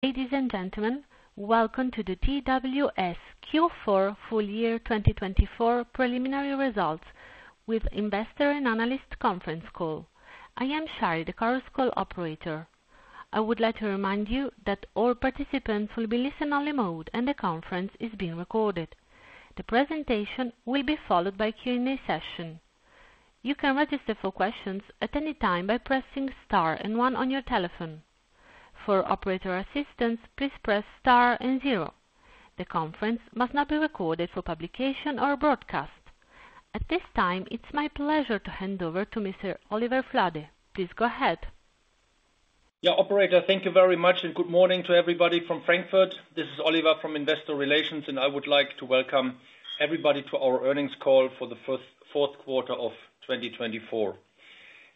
Ladies and gentlemen, welcome to the DWS Q4 full year 2024 preliminary results with investor and analyst conference call. I am Shari, the Chorus Call operator. I would like to remind you that all participants will be in listen-only mode and the conference is being recorded. The presentation will be followed by a Q&A session. You can register for questions at any time by pressing star and one on your telephone. For operator assistance, please press star and zero. The conference must not be recorded for publication or broadcast. At this time, it's my pleasure to hand over to Mr. Oliver Flade. Please go ahead. Yeah, operator, thank you very much and good morning to everybody from Frankfurt. This is Oliver from Investor Relations, and I would like to welcome everybody to our earnings call for the fourth quarter of 2024.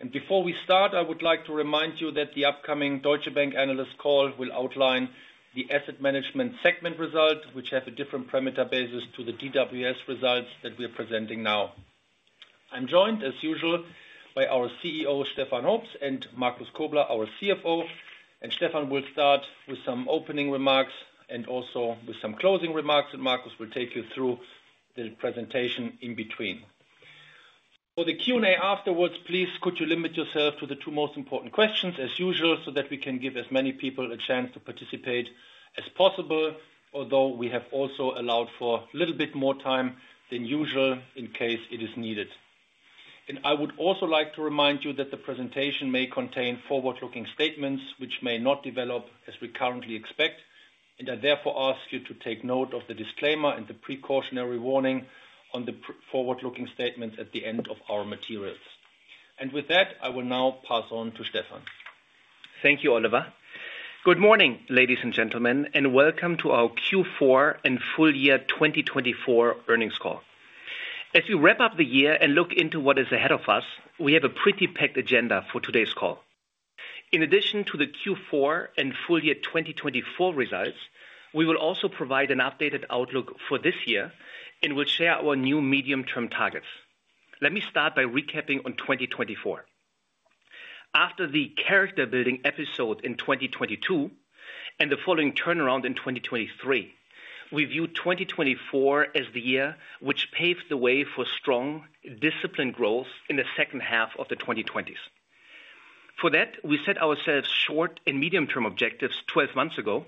And before we start, I would like to remind you that the upcoming Deutsche Bank analyst call will outline the asset management segment results, which have a different perimeter basis to the DWS results that we are presenting now. I'm joined, as usual, by our CEO, Stefan Hoops, and Markus Kobler, our CFO. And Stefan will start with some opening remarks and also with some closing remarks, and Markus will take you through the presentation in between. For the Q&A afterwards, please could you limit yourself to the two most important questions, as usual, so that we can give as many people a chance to participate as possible, although we have also allowed for a little bit more time than usual in case it is needed. And I would also like to remind you that the presentation may contain forward-looking statements which may not develop as we currently expect, and I therefore ask you to take note of the disclaimer and the precautionary warning on the forward-looking statements at the end of our materials. And with that, I will now pass on to Stefan. Thank you, Oliver. Good morning, ladies and gentlemen, and welcome to our Q4 and full year 2024 earnings call. As we wrap up the year and look into what is ahead of us, we have a pretty packed agenda for today's call. In addition to the Q4 and full year 2024 results, we will also provide an updated outlook for this year and will share our new medium-term targets. Let me start by recapping on 2024. After the character-building episode in 2022 and the following turnaround in 2023, we view 2024 as the year which paved the way for strong, disciplined growth in the second half of the 2020s. For that, we set ourselves short and medium-term objectives 12 months ago,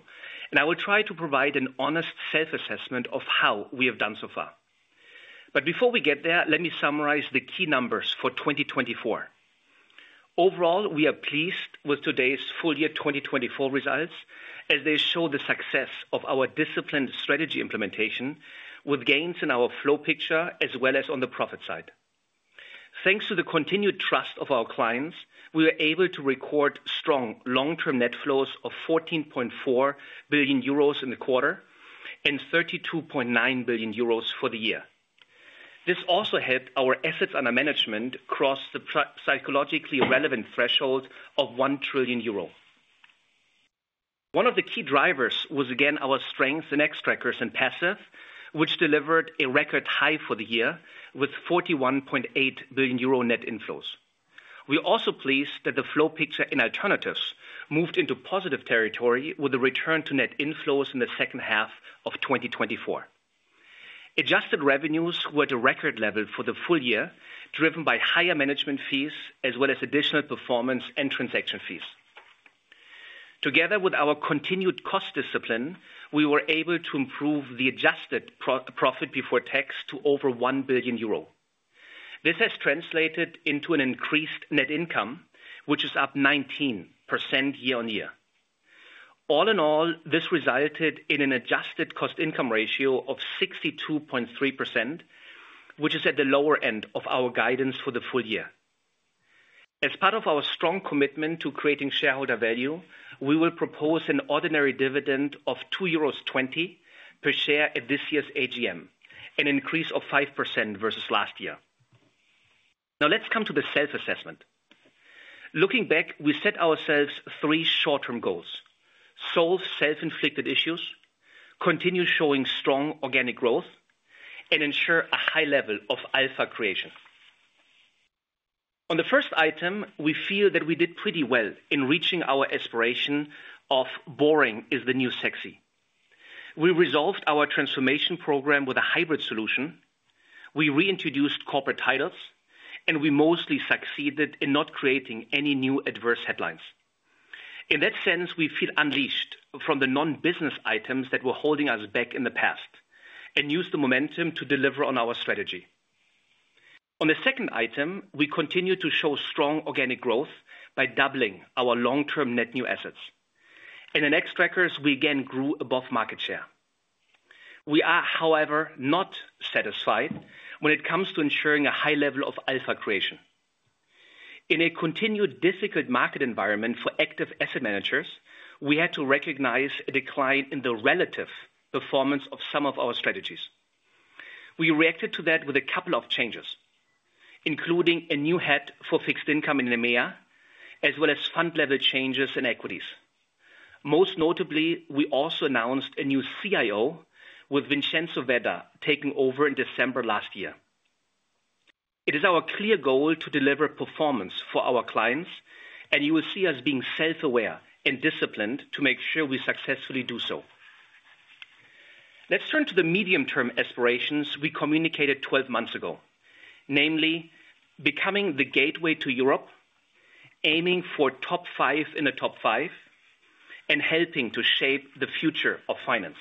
and I will try to provide an honest self-assessment of how we have done so far. But before we get there, let me summarize the key numbers for 2024. Overall, we are pleased with today's full year 2024 results as they show the success of our disciplined strategy implementation with gains in our flow picture as well as on the profit side. Thanks to the continued trust of our clients, we were able to record strong long-term net flows of 14.4 billion euros in the quarter and 32.9 billion euros for the year. This also helped our assets under management cross the psychologically relevant threshold of 1 trillion euro. One of the key drivers was, again, our strengths in Xtrackers and passive, which delivered a record high for the year with 41.8 billion euro net inflows. We are also pleased that the flow picture in alternatives moved into positive territory with a return to net inflows in the second half of 2024. Adjusted revenues were at a record level for the full year, driven by higher management fees as well as additional performance and transaction fees. Together with our continued cost discipline, we were able to improve the adjusted profit before tax to over € 1 billion. This has translated into an increased net income, which is up 19% year on year. All in all, this resulted in an adjusted cost-income ratio of 62.3%, which is at the lower end of our guidance for the full year. As part of our strong commitment to creating shareholder value, we will propose an ordinary dividend of € 2.20 per share at this year's AGM, an increase of 5% versus last year. Now let's come to the self-assessment. Looking back, we set ourselves three short-term goals: solve self-inflicted issues, continue showing strong organic growth, and ensure a high level of alpha creation. On the first item, we feel that we did pretty well in reaching our aspiration of "boring is the new sexy." We resolved our transformation program with a hybrid solution, we reintroduced corporate titles, and we mostly succeeded in not creating any new adverse headlines. In that sense, we feel unleashed from the non-business items that were holding us back in the past and used the momentum to deliver on our strategy. On the second item, we continue to show strong organic growth by doubling our long-term net new assets. In Xtrackers, we again grew above market share. We are, however, not satisfied when it comes to ensuring a high level of alpha creation. In a continued difficult market environment for active asset managers, we had to recognize a decline in the relative performance of some of our strategies. We reacted to that with a couple of changes, including a new head for fixed income in EMEA, as well as fund level changes in equities. Most notably, we also announced a new CIO with Vincenzo Vedda taking over in December last year. It is our clear goal to deliver performance for our clients, and you will see us being self-aware and disciplined to make sure we successfully do so. Let's turn to the medium-term aspirations we communicated 12 months ago, namely becoming the gateway to Europe, aiming for top five in the top five, and helping to shape the future of finance.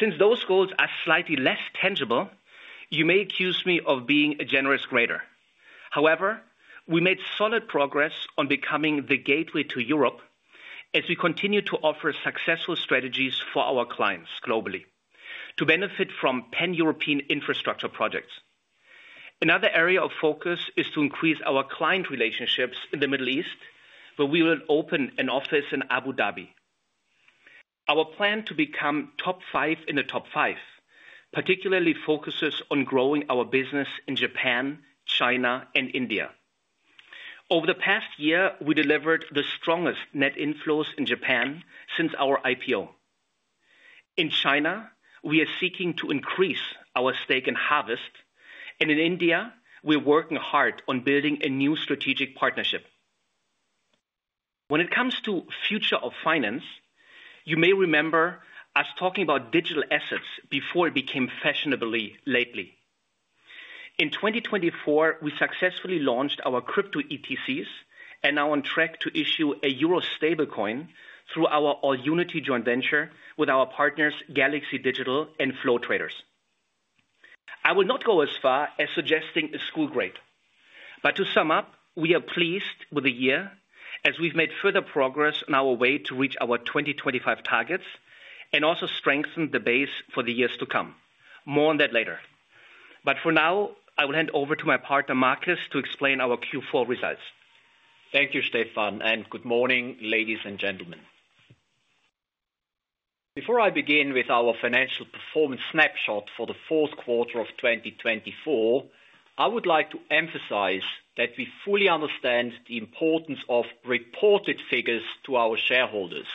Since those goals are slightly less tangible, you may accuse me of being a generous grader. However, we made solid progress on becoming the gateway to Europe as we continue to offer successful strategies for our clients globally to benefit from pan-European infrastructure projects. Another area of focus is to increase our client relationships in the Middle East, where we will open an office in Abu Dhabi. Our plan to become top five in the top five particularly focuses on growing our business in Japan, China, and India. Over the past year, we delivered the strongest net inflows in Japan since our IPO. In China, we are seeking to increase our stake in Harvest, and in India, we're working hard on building a new strategic partnership. When it comes to the future of finance, you may remember us talking about digital assets before it became fashionable lately. In 2024, we successfully launched our crypto ETCs and are on track to issue a Euro stablecoin through our AllUnity Joint Venture with our partners Galaxy Digital and Flow Traders. I will not go as far as suggesting a school grade, but to sum up, we are pleased with the year as we've made further progress on our way to reach our 2025 targets and also strengthen the base for the years to come. More on that later. But for now, I will hand over to my partner, Markus, to explain our Q4 results. Thank you, Stefan, and good morning, ladies and gentlemen. Before I begin with our financial performance snapshot for the fourth quarter of 2024, I would like to emphasize that we fully understand the importance of reported figures to our shareholders,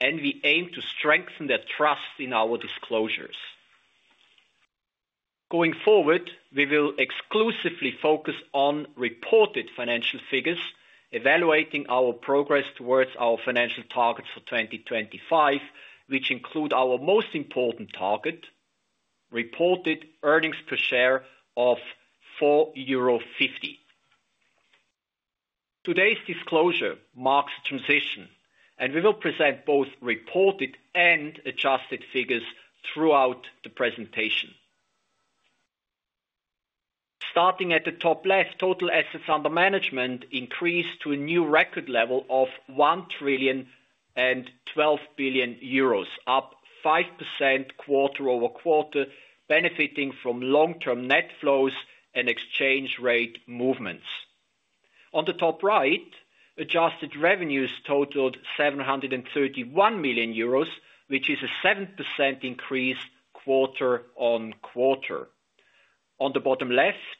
and we aim to strengthen their trust in our disclosures. Going forward, we will exclusively focus on reported financial figures, evaluating our progress towards our financial targets for 2025, which include our most important target, reported earnings per share of 4.50 euro. Today's disclosure marks a transition, and we will present both reported and adjusted figures throughout the presentation. Starting at the top left, total assets under management increased to a new record level of 1 trillion and 12 billion euros, up 5% quarter over quarter, benefiting from long-term net flows and exchange rate movements. On the top right, adjusted revenues totaled 731 million euros, which is a 7% increase quarter on quarter. On the bottom left,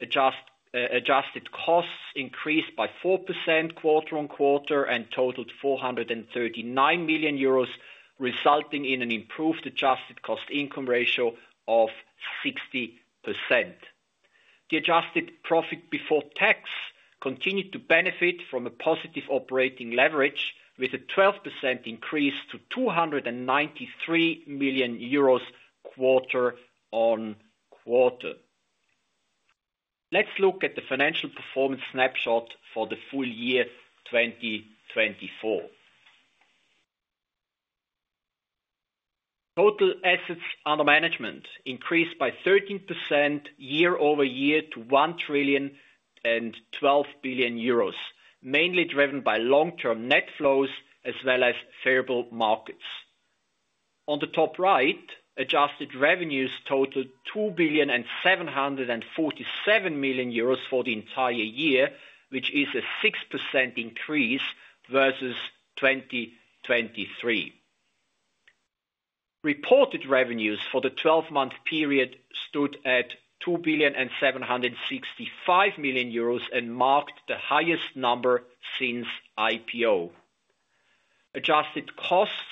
adjusted costs increased by 4% quarter on quarter and totaled €439 million, resulting in an improved adjusted cost-income ratio of 60%. The adjusted profit before tax continued to benefit from a positive operating leverage, with a 12% increase to €293 million quarter on quarter. Let's look at the financial performance snapshot for the full year 2024. Total assets under management increased by 13% year over year to €1 trillion and €12 billion, mainly driven by long-term net flows as well as favorable markets. On the top right, adjusted revenues totaled €2 billion and €747 million for the entire year, which is a 6% increase versus 2023. Reported revenues for the 12-month period stood at €2 billion and €765 million and marked the highest number since IPO. Adjusted costs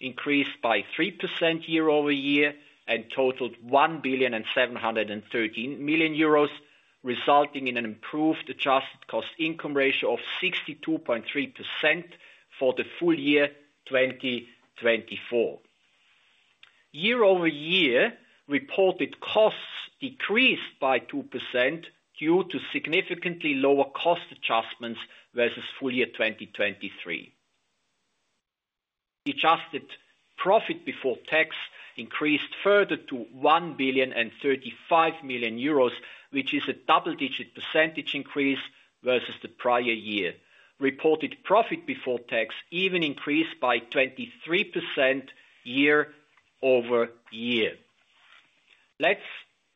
increased by 3% year over year and totaled 1 billion and 713 million euros, resulting in an improved adjusted cost income ratio of 62.3% for the full year 2024. Year over year, reported costs decreased by 2% due to significantly lower cost adjustments versus full year 2023. Adjusted profit before tax increased further to 1 billion and 35 million euros, which is a double-digit percentage increase versus the prior year. Reported profit before tax even increased by 23% year over year. Let's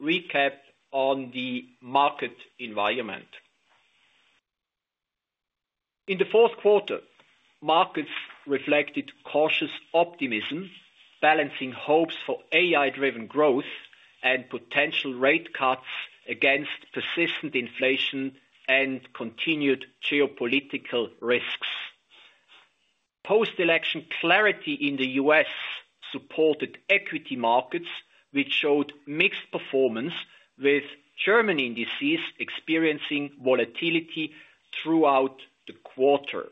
recap on the market environment. In the fourth quarter, markets reflected cautious optimism, balancing hopes for AI-driven growth and potential rate cuts against persistent inflation and continued geopolitical risks. Post-election clarity in the U.S. supported equity markets, which showed mixed performance, with German indices experiencing volatility throughout the quarter.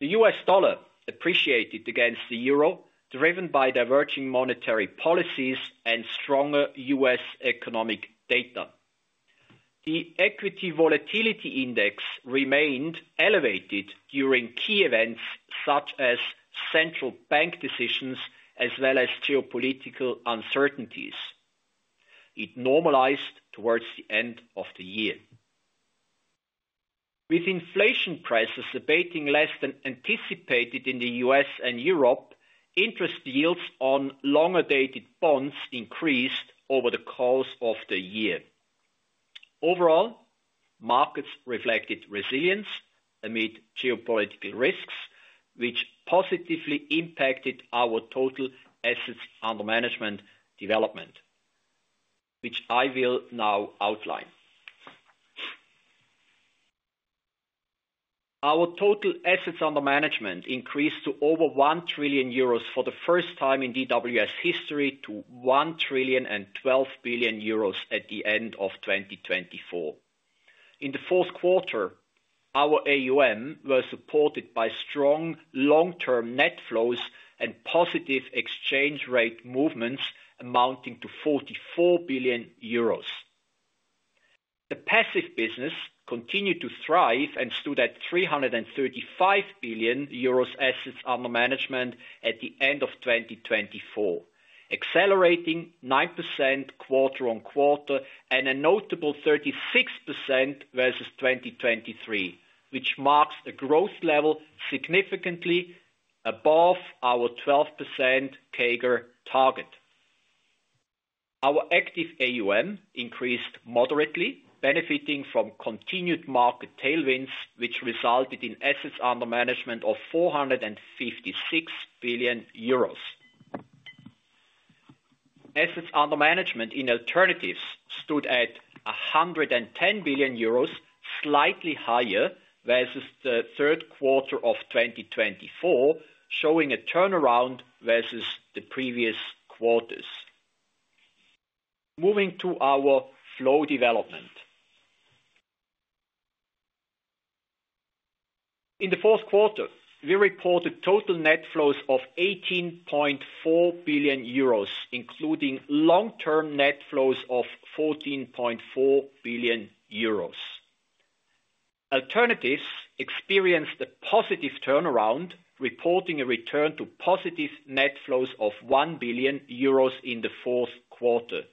The U.S. dollar appreciated against the euro, driven by diverging monetary policies and stronger U.S. economic data. The equity volatility index remained elevated during key events such as central bank decisions as well as geopolitical uncertainties. It normalized towards the end of the year. With inflation prices abating less than anticipated in the U.S. and Europe, interest yields on longer-dated bonds increased over the course of the year. Overall, markets reflected resilience amid geopolitical risks, which positively impacted our total assets under management development, which I will now outline. Our total assets under management increased to over € 1 trillion for the first time in DWS history to € 1 trillion and € 12 billion at the end of 2024. In the fourth quarter, our AUM was supported by strong long-term net flows and positive exchange rate movements amounting to € 44 billion. The passive business continued to thrive and stood at 335 billion euros assets under management at the end of 2024, accelerating 9% quarter on quarter and a notable 36% versus 2023, which marks a growth level significantly above our 12% CAGR target. Our active AUM increased moderately, benefiting from continued market tailwinds, which resulted in assets under management of 456 billion euros. Assets under management in alternatives stood at 110 billion euros, slightly higher versus the third quarter of 2024, showing a turnaround versus the previous quarters. Moving to our flow development. In the fourth quarter, we reported total net flows of 18.4 billion euros, including long-term net flows of 14.4 billion euros. Alternatives experienced a positive turnaround, reporting a return to positive net flows of 1 billion euros in the fourth quarter.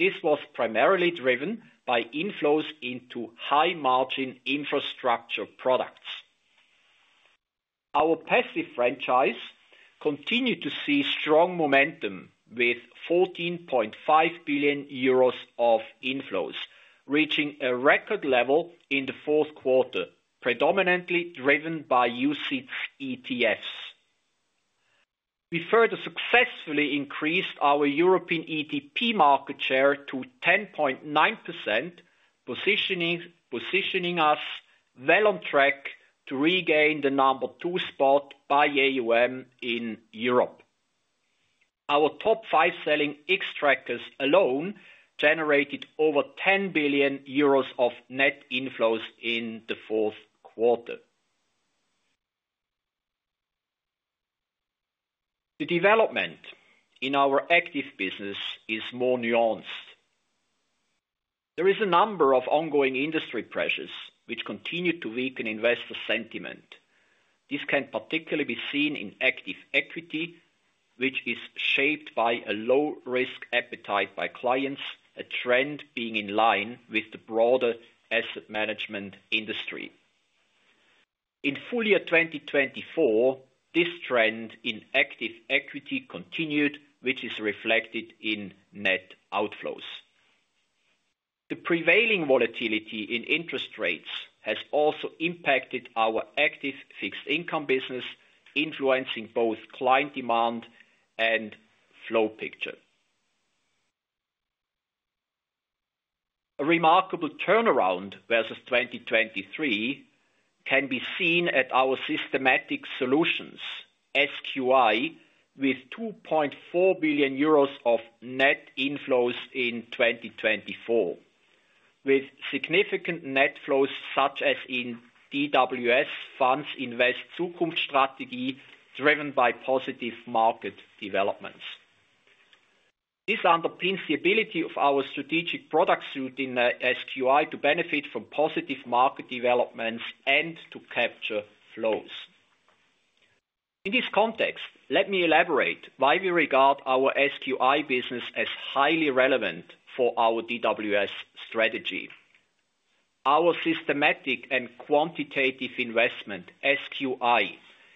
This was primarily driven by inflows into high-margin infrastructure products. Our passive franchise continued to see strong momentum with €14.5 billion of inflows, reaching a record level in the fourth quarter, predominantly driven by UCITS ETFs. We further successfully increased our European ETF market share to 10.9%, positioning us well on track to regain the number two spot by AUM in Europe. Our top five selling Xtrackers alone generated over €10 billion of net inflows in the fourth quarter. The development in our active business is more nuanced. There is a number of ongoing industry pressures, which continue to weaken investor sentiment. This can particularly be seen in active equity, which is shaped by a low-risk appetite by clients, a trend being in line with the broader asset management industry. In full year 2024, this trend in active equity continued, which is reflected in net outflows. The prevailing volatility in interest rates has also impacted our active fixed income business, influencing both client demand and flow picture. A remarkable turnaround versus 2023 can be seen at our SQI, with €2.4 billion of net inflows in 2024, with significant net flows such as in DWS Funds Invest ZukunftsStrategie, driven by positive market developments. This underpins the ability of our strategic product suite in SQI to benefit from positive market developments and to capture flows. In this context, let me elaborate why we regard our SQI business as highly relevant for our DWS strategy. Our systematic and quantitative investment, SQI,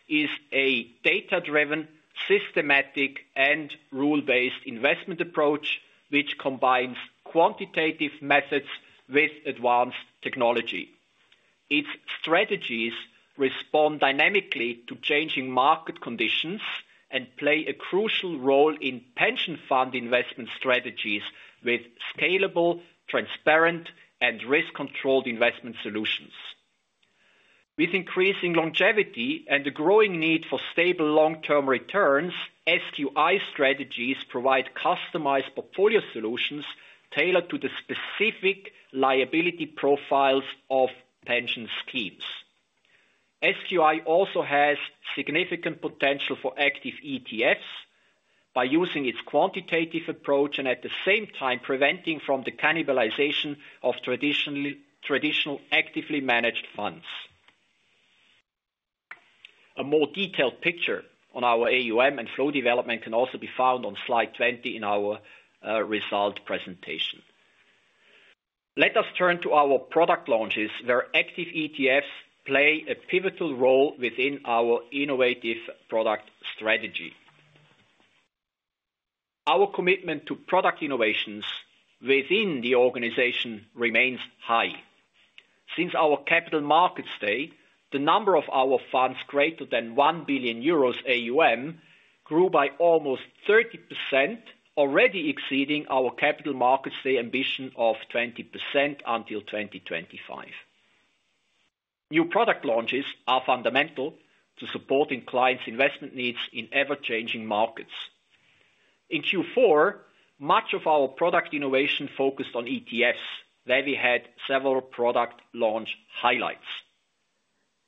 is a data-driven, systematic, and rule-based investment approach which combines quantitative methods with advanced technology. Its strategies respond dynamically to changing market conditions and play a crucial role in pension fund investment strategies with scalable, transparent, and risk-controlled investment solutions. With increasing longevity and a growing need for stable long-term returns, SQI strategies provide customized portfolio solutions tailored to the specific liability profiles of pension schemes. SQI also has significant potential for active ETFs by using its quantitative approach and at the same time preventing from the cannibalization of traditional actively managed funds. A more detailed picture on our AUM and flow development can also be found on slide 20 in our results presentation. Let us turn to our product launches where active ETFs play a pivotal role within our innovative product strategy. Our commitment to product innovations within the organization remains high. Since our Capital Markets Day, the number of our funds greater than 1 billion euros AUM grew by almost 30%, already exceeding our Capital Markets Day ambition of 20% until 2025. New product launches are fundamental to supporting clients' investment needs in ever-changing markets. In Q4, much of our product innovation focused on ETFs, where we had several product launch highlights.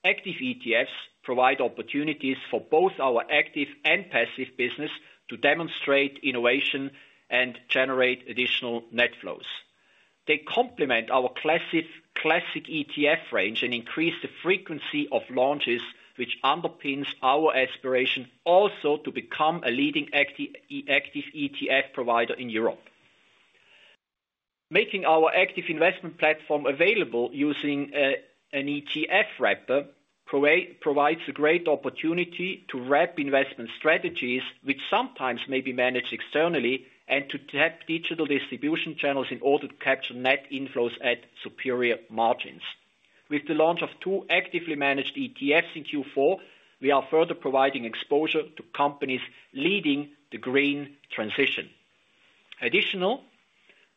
Active ETFs provide opportunities for both our active and passive business to demonstrate innovation and generate additional net flows. They complement our classic ETF range and increase the frequency of launches, which underpins our aspiration also to become a leading active ETF provider in Europe. Making our active investment platform available using an ETF wrapper provides a great opportunity to wrap investment strategies which sometimes may be managed externally and to tap digital distribution channels in order to capture net inflows at superior margins. With the launch of two actively managed ETFs in Q4, we are further providing exposure to companies leading the green transition. Additionally,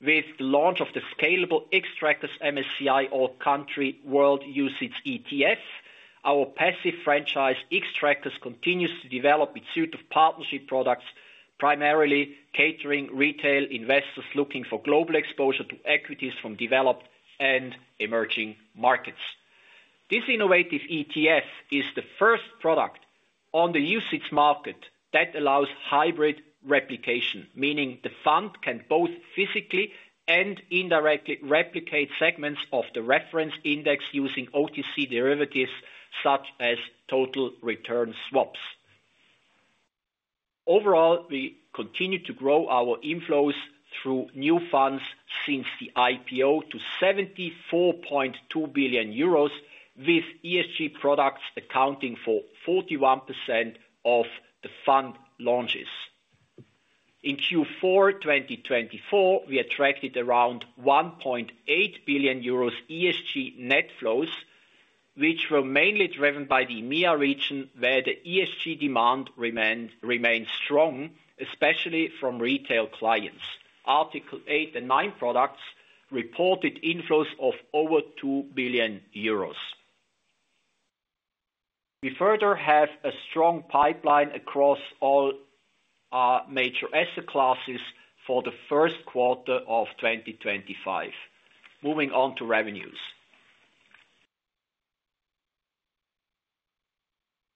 with the launch of the Xtrackers MSCI All Country World UCITS ETF, our passive franchise Xtrackers continues to develop in suite of partnership products, primarily catering to retail investors looking for global exposure to equities from developed and emerging markets. This innovative ETF is the first product on the UCITS market that allows hybrid replication, meaning the fund can both physically and indirectly replicate segments of the reference index using OTC derivatives such as total return swaps. Overall, we continue to grow our inflows through new funds since the IPO to 74.2 billion euros, with ESG products accounting for 41% of the fund launches. In Q4 2024, we attracted around 1.8 billion euros ESG net flows, which were mainly driven by the EMEA region, where the ESG demand remained strong, especially from retail clients. Article 8 and 9 products reported inflows of over 2 billion euros. We further have a strong pipeline across all major asset classes for the first quarter of 2025. Moving on to revenues.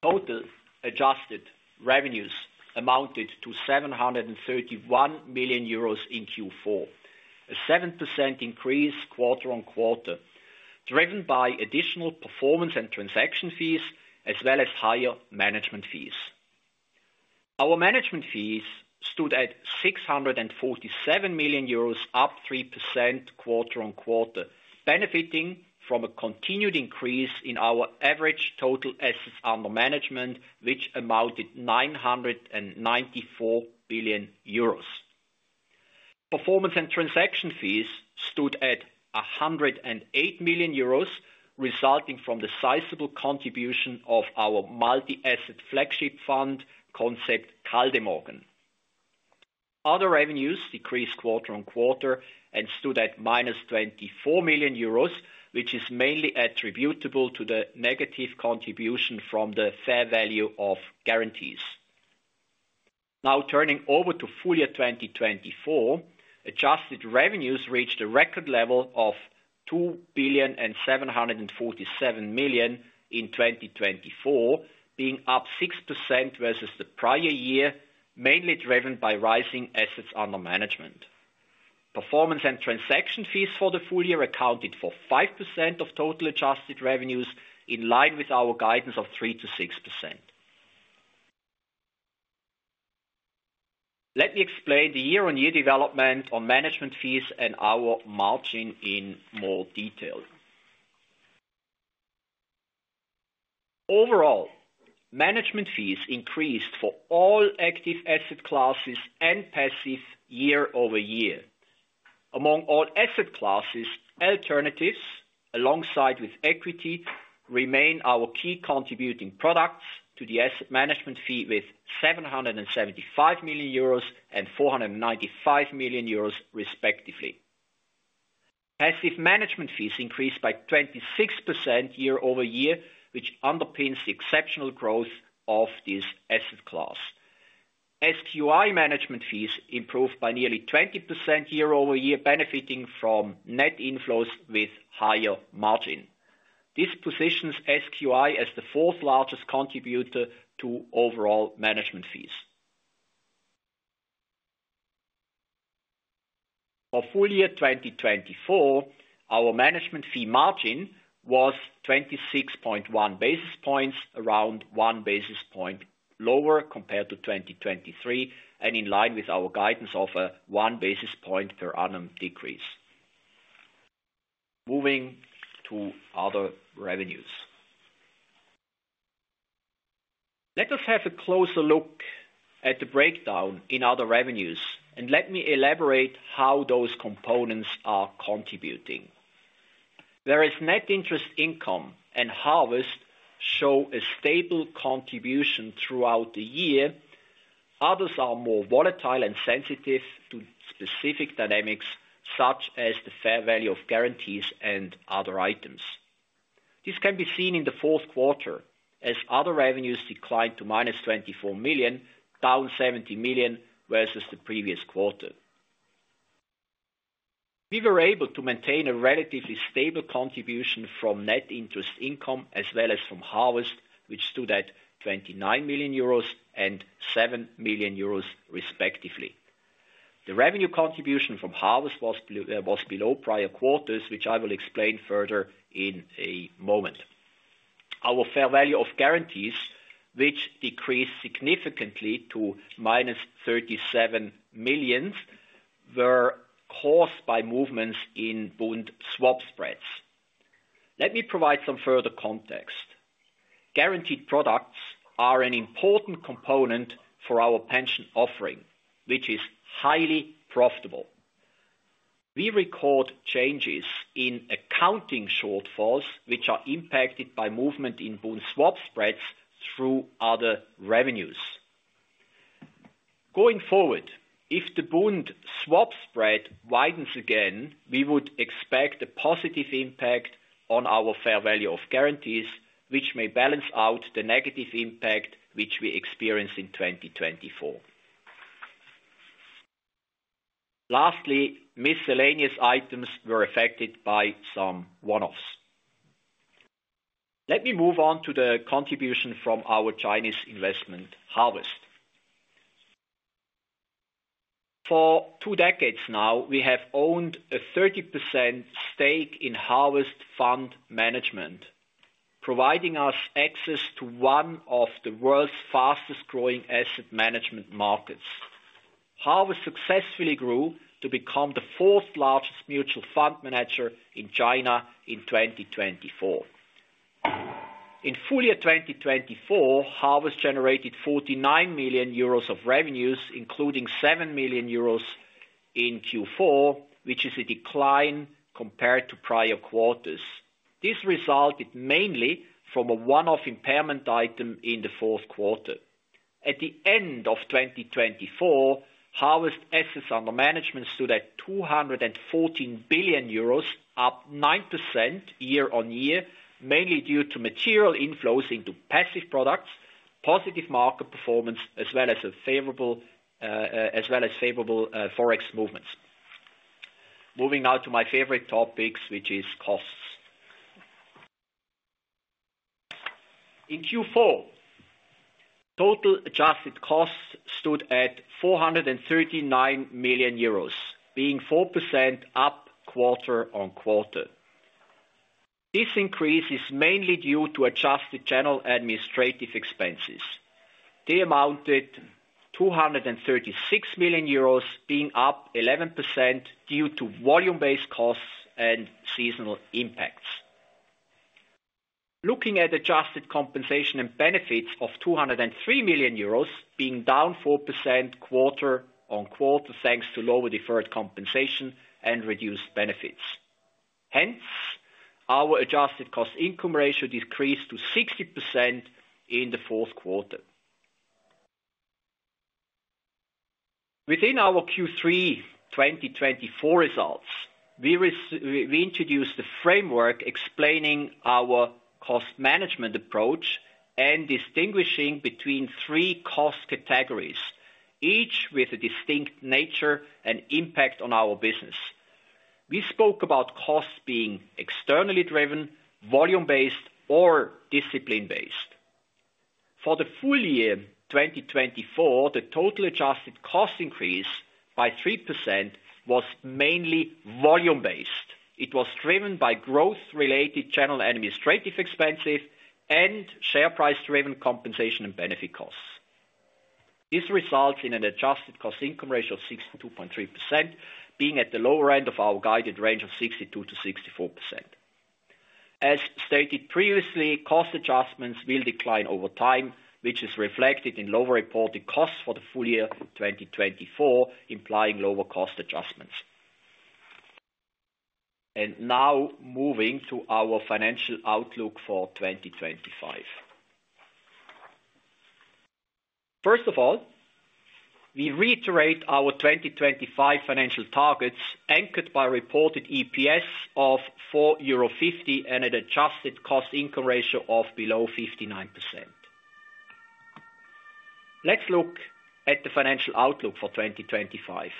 Total adjusted revenues amounted to €731 million in Q4, a 7% increase quarter on quarter, driven by additional performance and transaction fees, as well as higher management fees. Our management fees stood at €647 million, up 3% quarter on quarter, benefiting from a continued increase in our average total assets under management, which amounted to €994 billion. Performance and transaction fees stood at €108 million, resulting from the sizable contribution of our multi-asset flagship fund, Concept Kaldemorgen. Other revenues decreased quarter on quarter and stood at €24 million, which is mainly attributable to the negative contribution from the fair value of guarantees. Now turning over to full year 2024, adjusted revenues reached a record level of 2,747 million in 2024, being up 6% versus the prior year, mainly driven by rising assets under management. Performance and transaction fees for the full year accounted for 5% of total adjusted revenues, in line with our guidance of 3%-6%. Let me explain the year-on-year development on management fees and our margin in more detail. Overall, management fees increased for all active asset classes and passive year over year. Among all asset classes, alternatives, alongside with equity, remain our key contributing products to the asset management fee with 775 million euros and 495 million euros, respectively. Passive management fees increased by 26% year over year, which underpins the exceptional growth of this asset class. SQI management fees improved by nearly 20% year over year, benefiting from net inflows with higher margin. This positions SQI as the fourth largest contributor to overall management fees. For full year 2024, our management fee margin was 26.1 basis points, around one basis point lower compared to 2023, and in line with our guidance of a one basis point per annum decrease. Moving to other revenues. Let us have a closer look at the breakdown in other revenues, and let me elaborate how those components are contributing. Whereas net interest income and Harvest show a stable contribution throughout the year, others are more volatile and sensitive to specific dynamics, such as the fair value of guarantees and other items. This can be seen in the fourth quarter, as other revenues declined to €24 million, down €70 million versus the previous quarter. We were able to maintain a relatively stable contribution from net interest income, as well as from harvest, which stood at 29 million euros and 7 million euros, respectively. The revenue contribution from harvest was below prior quarters, which I will explain further in a moment. Our fair value of guarantees, which decreased significantly to minus 37 million, were caused by movements in bond swap spreads. Let me provide some further context. Guaranteed products are an important component for our pension offering, which is highly profitable. We record changes in accounting shortfalls, which are impacted by movement in bond swap spreads through other revenues. Going forward, if the bond swap spread widens again, we would expect a positive impact on our fair value of guarantees, which may balance out the negative impact which we experienced in 2024. Lastly, miscellaneous items were affected by some one-offs. Let me move on to the contribution from our Chinese investment, Harvest. For two decades now, we have owned a 30% stake in Harvest Fund Management, providing us access to one of the world's fastest-growing asset management markets. Harvest successfully grew to become the fourth largest mutual fund manager in China in 2024. In full year 2024, Harvest generated 49 million euros of revenues, including 7 million euros in Q4, which is a decline compared to prior quarters. This resulted mainly from a one-off impairment item in the fourth quarter. At the end of 2024, Harvest's assets under management stood at 214 billion euros, up 9% year on year, mainly due to material inflows into passive products, positive market performance, as well as favorable forex movements. Moving now to my favorite topics, which is costs. In Q4, total adjusted costs stood at 439 million euros, being 4% up quarter on quarter. This increase is mainly due to adjusted general administrative expenses. They amounted to 236 million euros, being up 11% due to volume-based costs and seasonal impacts. Looking at adjusted compensation and benefits of 203 million euros, being down 4% quarter on quarter, thanks to lower deferred compensation and reduced benefits. Hence, our adjusted cost-income ratio decreased to 60% in the fourth quarter. Within our Q3 2024 results, we introduced a framework explaining our cost management approach and distinguishing between three cost categories, each with a distinct nature and impact on our business. We spoke about costs being externally driven, volume-based, or discipline-based. For the full year 2024, the total adjusted cost increase by 3% was mainly volume-based. It was driven by growth-related general administrative expenses and share price-driven compensation and benefit costs. This results in an adjusted cost-income ratio of 62.3%, being at the lower end of our guided range of 62%-64%. As stated previously, cost adjustments will decline over time, which is reflected in lower reported costs for the full year 2024, implying lower cost adjustments, and now moving to our financial outlook for 2025. First of all, we reiterate our 2025 financial targets, anchored by reported EPS of €4.50 and an adjusted cost-income ratio of below 59%. Let's look at the financial outlook for 2025.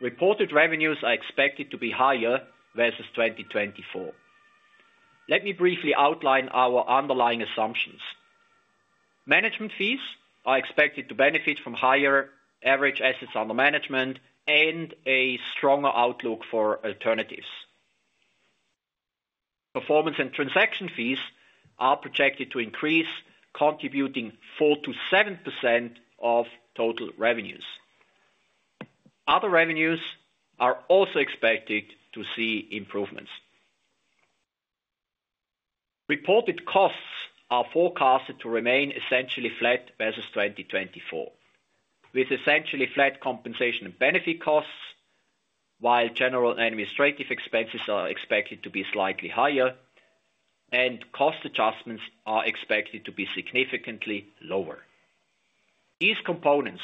Reported revenues are expected to be higher versus 2024. Let me briefly outline our underlying assumptions. Management fees are expected to benefit from higher average assets under management and a stronger outlook for alternatives. Performance and transaction fees are projected to increase, contributing 4%-7% of total revenues. Other revenues are also expected to see improvements. Reported costs are forecasted to remain essentially flat versus 2024, with essentially flat compensation and benefit costs, while general administrative expenses are expected to be slightly higher, and cost adjustments are expected to be significantly lower. These components,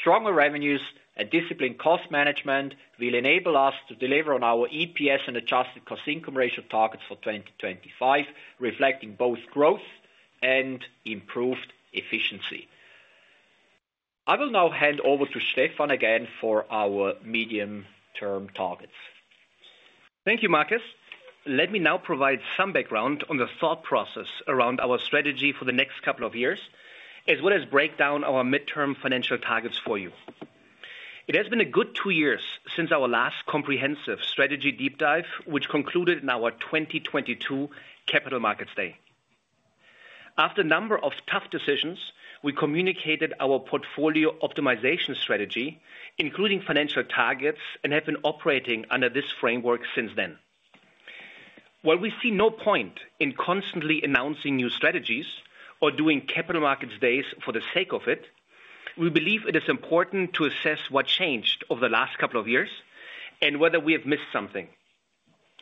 stronger revenues and disciplined cost management, will enable us to deliver on our EPS and adjusted cost income ratio targets for 2025, reflecting both growth and improved efficiency. I will now hand over to Stefan again for our medium-term targets. Thank you, Markus. Let me now provide some background on the thought process around our strategy for the next couple of years, as well as break down our midterm financial targets for you. It has been a good two years since our last comprehensive strategy deep dive, which concluded in our 2022 Capital Markets Day. After a number of tough decisions, we communicated our portfolio optimization strategy, including financial targets, and have been operating under this framework since then. While we see no point in constantly announcing new strategies or doing Capital Markets Days for the sake of it, we believe it is important to assess what changed over the last couple of years and whether we have missed something.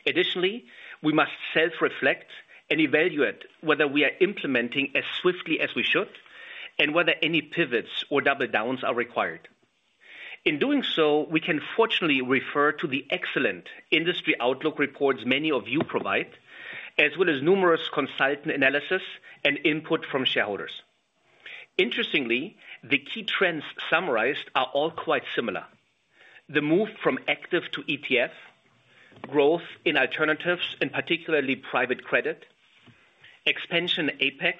Additionally, we must self-reflect and evaluate whether we are implementing as swiftly as we should and whether any pivots or double downs are required. In doing so, we can fortunately refer to the excellent industry outlook reports many of you provide, as well as numerous consultant analyses and input from shareholders. Interestingly, the key trends summarized are all quite similar: the move from active to ETF, growth in alternatives, and particularly private credit, expansion in APEC,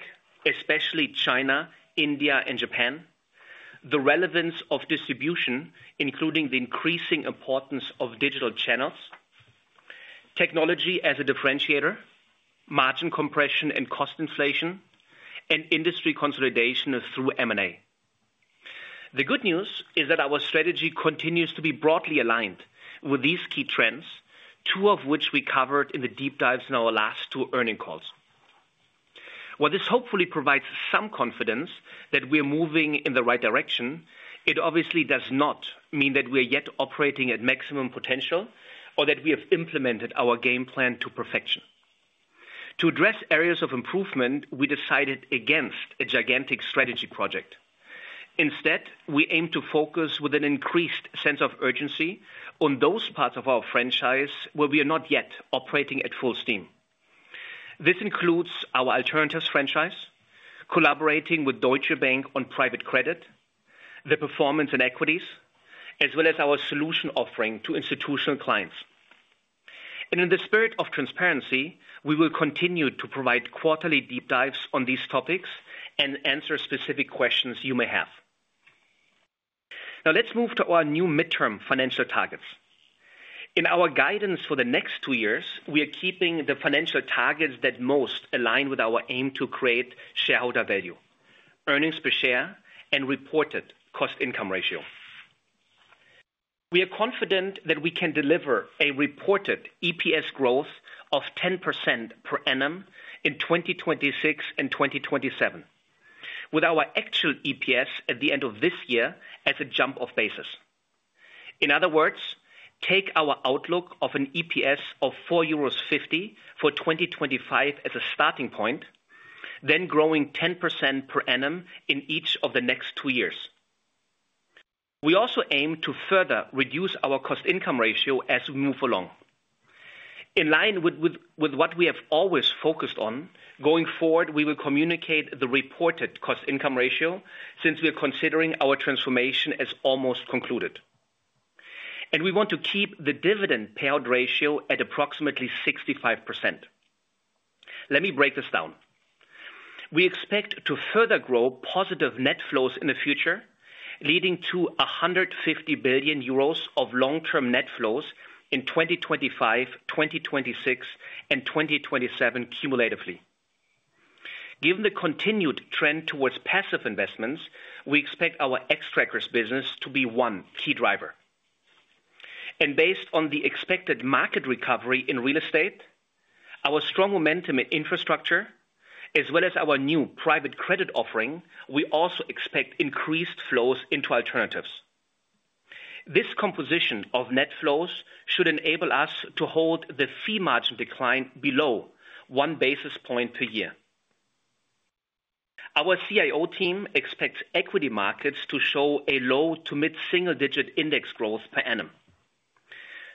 especially China, India, and Japan, the relevance of distribution, including the increasing importance of digital channels, technology as a differentiator, margin compression and cost inflation, and industry consolidation through M&A. The good news is that our strategy continues to be broadly aligned with these key trends, two of which we covered in the deep dives in our last two earnings calls. While this hopefully provides some confidence that we are moving in the right direction, it obviously does not mean that we are yet operating at maximum potential or that we have implemented our game plan to perfection. To address areas of improvement, we decided against a gigantic strategy project. Instead, we aim to focus with an increased sense of urgency on those parts of our franchise where we are not yet operating at full steam. This includes our alternatives franchise, collaborating with Deutsche Bank on private credit, the performance and equities, as well as our solution offering to institutional clients, and in the spirit of transparency, we will continue to provide quarterly deep dives on these topics and answer specific questions you may have. Now, let's move to our new midterm financial targets. In our guidance for the next two years, we are keeping the financial targets that most align with our aim to create shareholder value, earnings per share, and reported cost-income ratio. We are confident that we can deliver a reported EPS growth of 10% per annum in 2026 and 2027, with our actual EPS at the end of this year as a jump-off basis. In other words, take our outlook of an EPS of €4.50 for 2025 as a starting point, then growing 10% per annum in each of the next two years. We also aim to further reduce our cost income ratio as we move along. In line with what we have always focused on, going forward, we will communicate the reported cost income ratio since we are considering our transformation as almost concluded, and we want to keep the dividend payout ratio at approximately 65%. Let me break this down. We expect to further grow positive net flows in the future, leading to €150 billion of long-term net flows in 2025, 2026, and 2027 cumulatively. Given the continued trend towards passive investments, we expect our Xtrackers business to be one key driver. Based on the expected market recovery in real estate, our strong momentum in infrastructure, as well as our new private credit offering, we also expect increased flows into alternatives. This composition of net flows should enable us to hold the fee margin decline below one basis point per year. Our CIO team expects equity markets to show a low to mid-single-digit index growth per annum.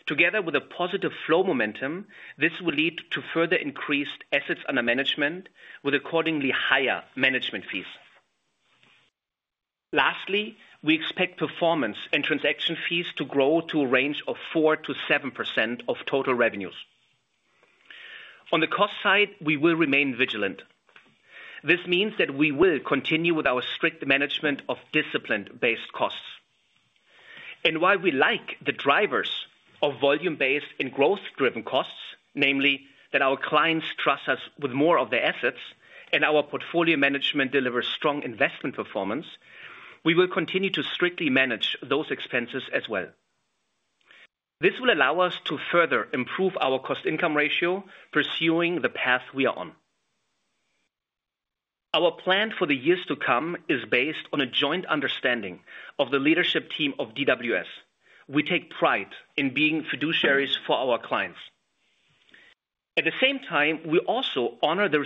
Together with a positive flow momentum, this will lead to further increased assets under management, with accordingly higher management fees. Lastly, we expect performance and transaction fees to grow to a range of 4%-7% of total revenues. On the cost side, we will remain vigilant. This means that we will continue with our strict management of discipline-based costs. While we like the drivers of volume-based and growth-driven costs, namely that our clients trust us with more of their assets and our portfolio management delivers strong investment performance, we will continue to strictly manage those expenses as well. This will allow us to further improve our cost-income ratio, pursuing the path we are on. Our plan for the years to come is based on a joint understanding of the leadership team of DWS. We take pride in being fiduciaries for our clients. At the same time, we also honor the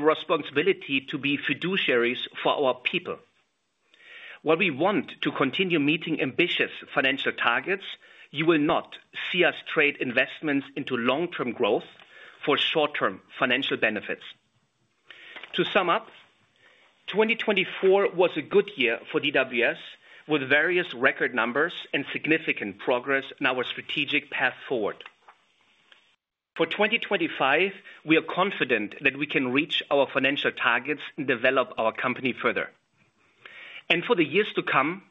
responsibility to be fiduciaries for our people. While we want to continue meeting ambitious financial targets, you will not see us trade investments into long-term growth for short-term financial benefits. To sum up, 2024 was a good year for DWS, with various record numbers and significant progress in our strategic path forward. For 2025, we are confident that we can reach our financial targets and develop our company further. And for the years to come,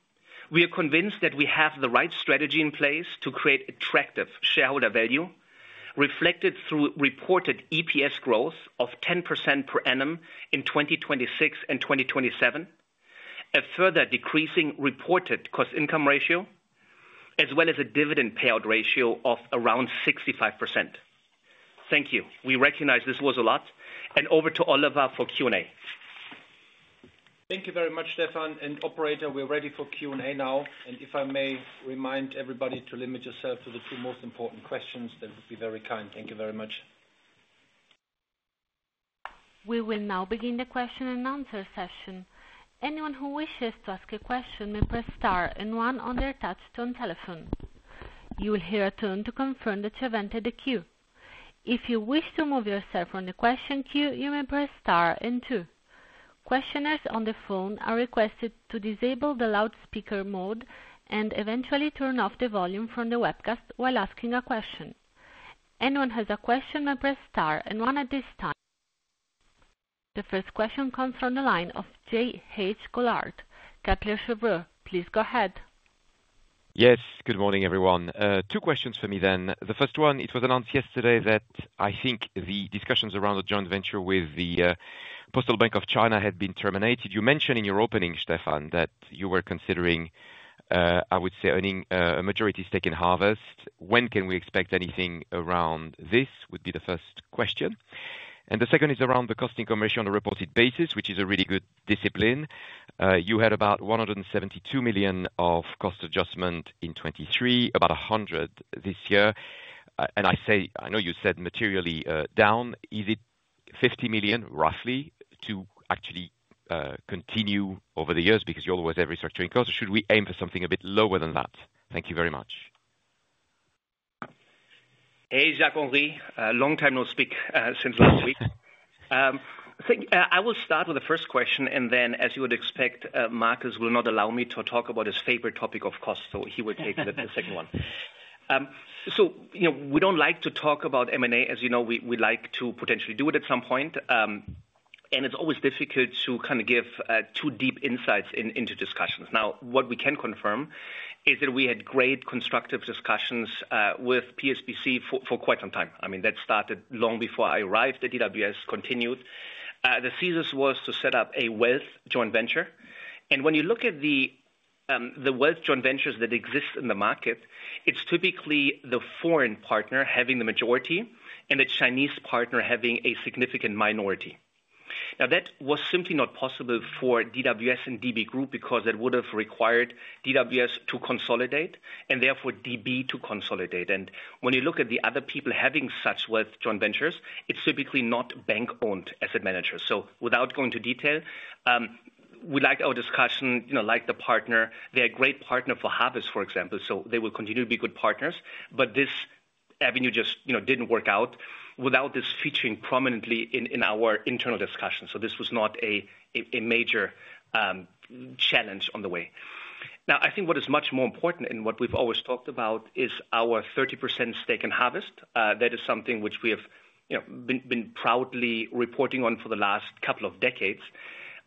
we are convinced that we have the right strategy in place to create attractive shareholder value, reflected through reported EPS growth of 10% per annum in 2026 and 2027, a further decreasing reported cost-income ratio, as well as a dividend payout ratio of around 65%. Thank you. We recognize this was a lot. And over to Oliver for Q&A. Thank you very much, Stefan and operator. We're ready for Q&A now. And if I may remind everybody to limit yourself to the two most important questions, then we'll be very kind. Thank you very much. We will now begin the question and answer session. Anyone who wishes to ask a question may press star and one on their touch-tone telephone. You will hear a tone to confirm that you have entered the queue. If you wish to move yourself from the question queue, you may press star and two. Questioners on the phone are requested to disable the loudspeaker mode and eventually turn off the volume from the webcast while asking a question. Anyone has a question may press star and one at this time. The first question comes from the line of Jacques-Henri Gaulard. Gaulard, please go ahead. Yes, good morning everyone. Two questions for me then. The first one, it was announced yesterday that I think the discussions around the joint venture with the Postal Savings Bank of China had been terminated. You mentioned in your opening, Stefan, that you were considering, I would say, acquiring a majority stake in Harvest. When can we expect anything around this? Would be the first question. The second is around the cost-income ratio on a reported basis, which is a really good discipline. You had about 172 million of cost adjustment in 2023, about 100 million this year. And I know you said materially down. Is it 50 million, roughly, to actually continue over the years? Because you're always a restructuring cost. Should we aim for something a bit lower than that? Thank you very much. Hey, Jacques-Henri, long time no speak since last week. I will start with the first question, and then, as you would expect, Markus will not allow me to talk about his favorite topic of cost, so he will take the second one. We don't like to talk about M&A. As you know, we like to potentially do it at some point. And it's always difficult to kind of give too deep insights into discussions. Now, what we can confirm is that we had great constructive discussions with PSBC for quite some time. I mean, that started long before I arrived at DWS, continued. The thesis was to set up a wealth joint venture. And when you look at the wealth joint ventures that exist in the market, it's typically the foreign partner having the majority and the Chinese partner having a significant minority. Now, that was simply not possible for DWS and DB Group because that would have required DWS to consolidate and therefore DB to consolidate. And when you look at the other people having such wealth joint ventures, it's typically not bank-owned asset managers. So without going into detail, we like our discussion, like the partner. They're a great partner for harvest, for example, so they will continue to be good partners. But this avenue just didn't work out without this featuring prominently in our internal discussion. So this was not a major challenge on the way. Now, I think what is much more important and what we've always talked about is our 30% stake in Harvest. That is something which we have been proudly reporting on for the last couple of decades.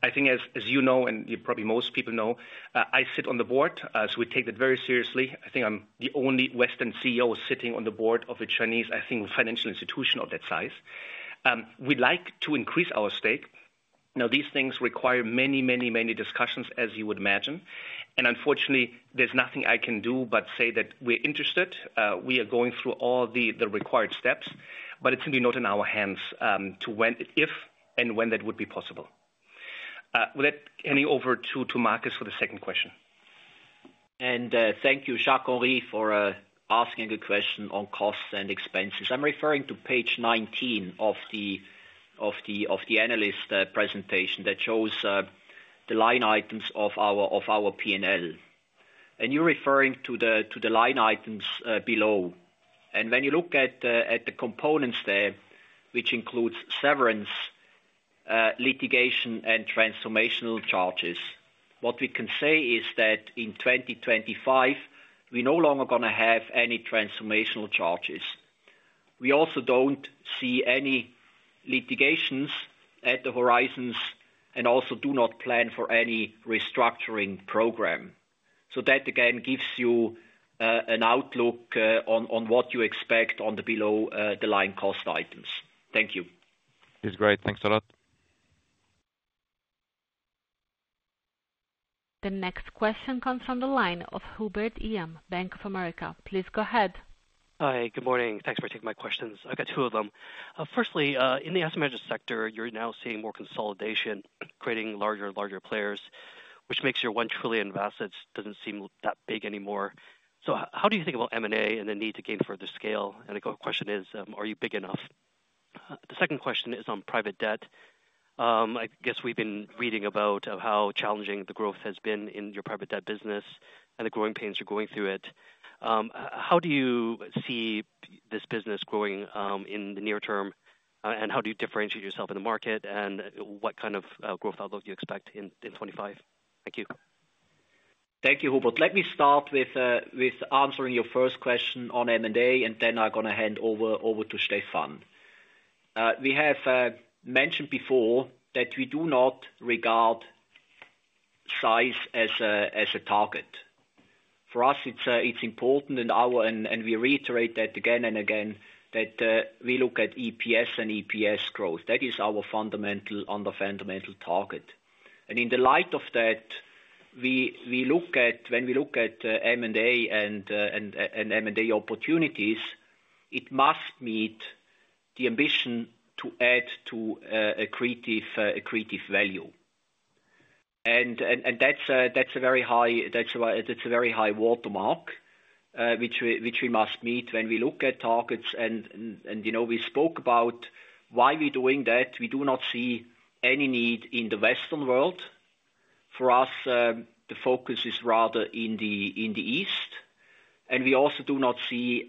I think, as you know, and you probably most people know, I sit on the board, so we take that very seriously. I think I'm the only Western CEO sitting on the board of a Chinese, I think, financial institution of that size. We'd like to increase our stake. Now, these things require many, many, many discussions, as you would imagine. And unfortunately, there's nothing I can do but say that we're interested. We are going through all the required steps, but it's simply not in our hands to say when, if and when that would be possible. With that, handing over to Markus for the second question. Thank you, Jacques-Henri Gaulard, for asking a good question on costs and expenses. I'm referring to page 19 of the analyst presentation that shows the line items of our P&L, and you're referring to the line items below. And when you look at the components there, which includes severance, litigation, and transformational charges, what we can say is that in 2025, we're no longer going to have any transformational charges. We also don't see any litigations on the horizon and also do not plan for any restructuring program. So that, again, gives you an outlook on what you expect on the below-the-line cost items. Thank you. It's great. Thanks a lot. The next question comes from the line of Hubert Lam, Bank of America. Please go ahead. Hi, good morning. Thanks for taking my questions. I've got two of them. Firstly, in the asset management sector, you're now seeing more consolidation, creating larger and larger players, which makes your one trillion of assets doesn't seem that big anymore. So how do you think about M&A and the need to gain further scale? And the question is, are you big enough? The second question is on private debt. I guess we've been reading about how challenging the growth has been in your private debt business and the growing pains you're going through it. How do you see this business growing in the near term? And how do you differentiate yourself in the market? And what kind of growth outlook do you expect in 2025? Thank you. Thank you, Hubert. Let me start with answering your first question on M&A, and then I'm going to hand over to Stefan. We have mentioned before that we do not regard size as a target. For us, it's important, and we reiterate that again and again, that we look at EPS and EPS growth. That is our fundamental underlying target, and in the light of that, when we look at M&A and M&A opportunities, it must meet the ambition to add to accretive value. That's a very high watermark, which we must meet when we look at targets, and we spoke about why we're doing that. We do not see any need in the Western world. For us, the focus is rather in the East, and we also do not see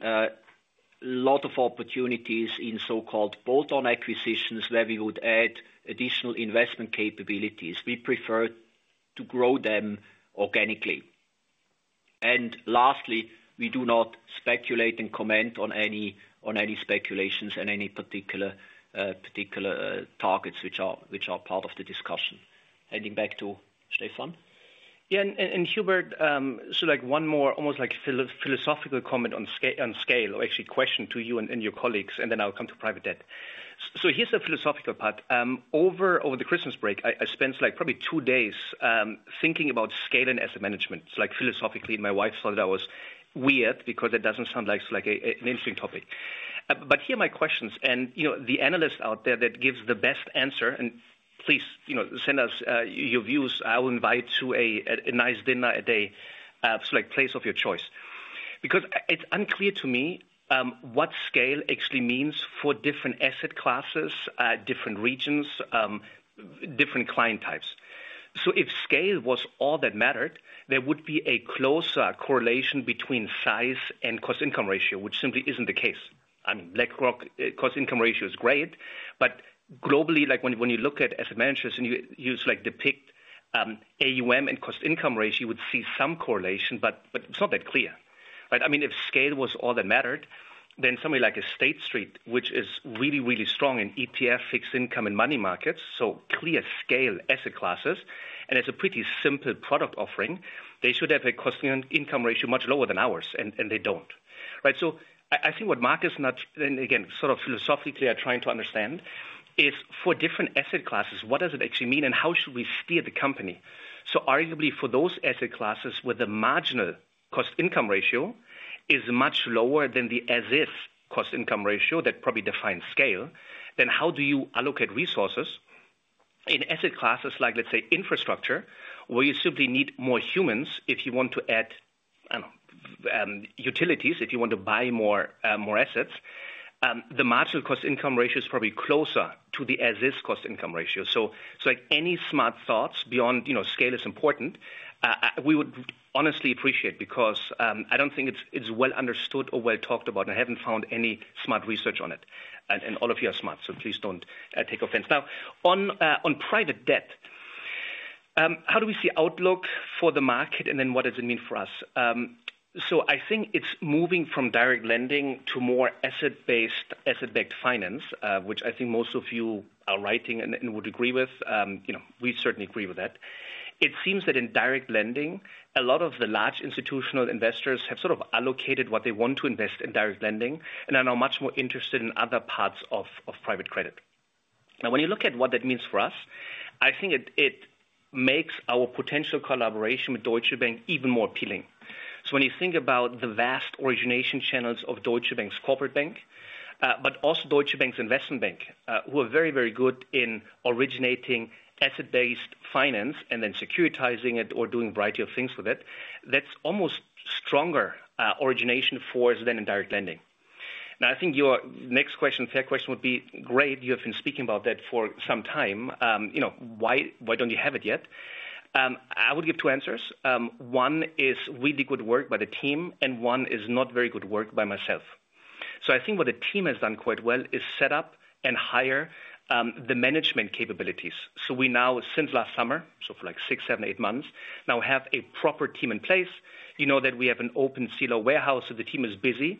a lot of opportunities in so-called bolt-on acquisitions where we would add additional investment capabilities. We prefer to grow them organically. And lastly, we do not speculate and comment on any speculations and any particular targets which are part of the discussion. Handing back to Stefan. Yeah, and Hubert, so one more almost philosophical comment on scale, or actually question to you and your colleagues, and then I'll come to private debt. So here's the philosophical part. Over the Christmas break, I spent probably two days thinking about scaling asset management. It's like philosophically, my wife thought I was weird because it doesn't sound like an interesting topic. But here are my questions. And the analyst out there that gives the best answer, and please send us your views, I will invite to a nice dinner at a place of your choice. Because it's unclear to me what scale actually means for different asset classes, different regions, different client types. So if scale was all that mattered, there would be a closer correlation between size and cost-income ratio, which simply isn't the case. I mean, BlackRock's cost-income ratio is great, but globally, when you look at asset managers and you depict AUM and cost-income ratio, you would see some correlation, but it's not that clear. I mean, if scale was all that mattered, then somebody like State Street, which is really, really strong in ETF, fixed income, and money markets, so clear scale asset classes, and it's a pretty simple product offering, they should have a cost-income ratio much lower than ours, and they don't. So I think what Markus and I, again, sort of philosophically are trying to understand is for different asset classes, what does it actually mean, and how should we steer the company? Arguably for those asset classes where the marginal cost income ratio is much lower than the as-is cost income ratio that probably defines scale, then how do you allocate resources in asset classes like, let's say, infrastructure, where you simply need more humans if you want to add utilities, if you want to buy more assets? The marginal cost income ratio is probably closer to the as-is cost income ratio. Any smart thoughts beyond scale is important. We would honestly appreciate it because I don't think it's well understood or well talked about, and I haven't found any smart research on it. All of you are smart, so please don't take offense. Now, on private debt, how do we see outlook for the market, and then what does it mean for us? So I think it's moving from direct lending to more asset-based finance, which I think most of you are writing and would agree with. We certainly agree with that. It seems that in direct lending, a lot of the large institutional investors have sort of allocated what they want to invest in direct lending, and are now much more interested in other parts of private credit. Now, when you look at what that means for us, I think it makes our potential collaboration with Deutsche Bank even more appealing. So when you think about the vast origination channels of Deutsche Bank's corporate bank, but also Deutsche Bank's investment bank, who are very, very good in originating asset-based finance and then securitizing it or doing a variety of things with it, that's almost stronger origination force than in direct lending. Now, I think your next question, fair question, would be, great, you have been speaking about that for some time. Why don't you have it yet? I would give two answers. One is really good work by the team, and one is not very good work by myself. So I think what the team has done quite well is set up and hire the management capabilities. So we now, since last summer, so for like six, seven, eight months, now have a proper team in place. You know that we have an open CLO warehouse, so the team is busy,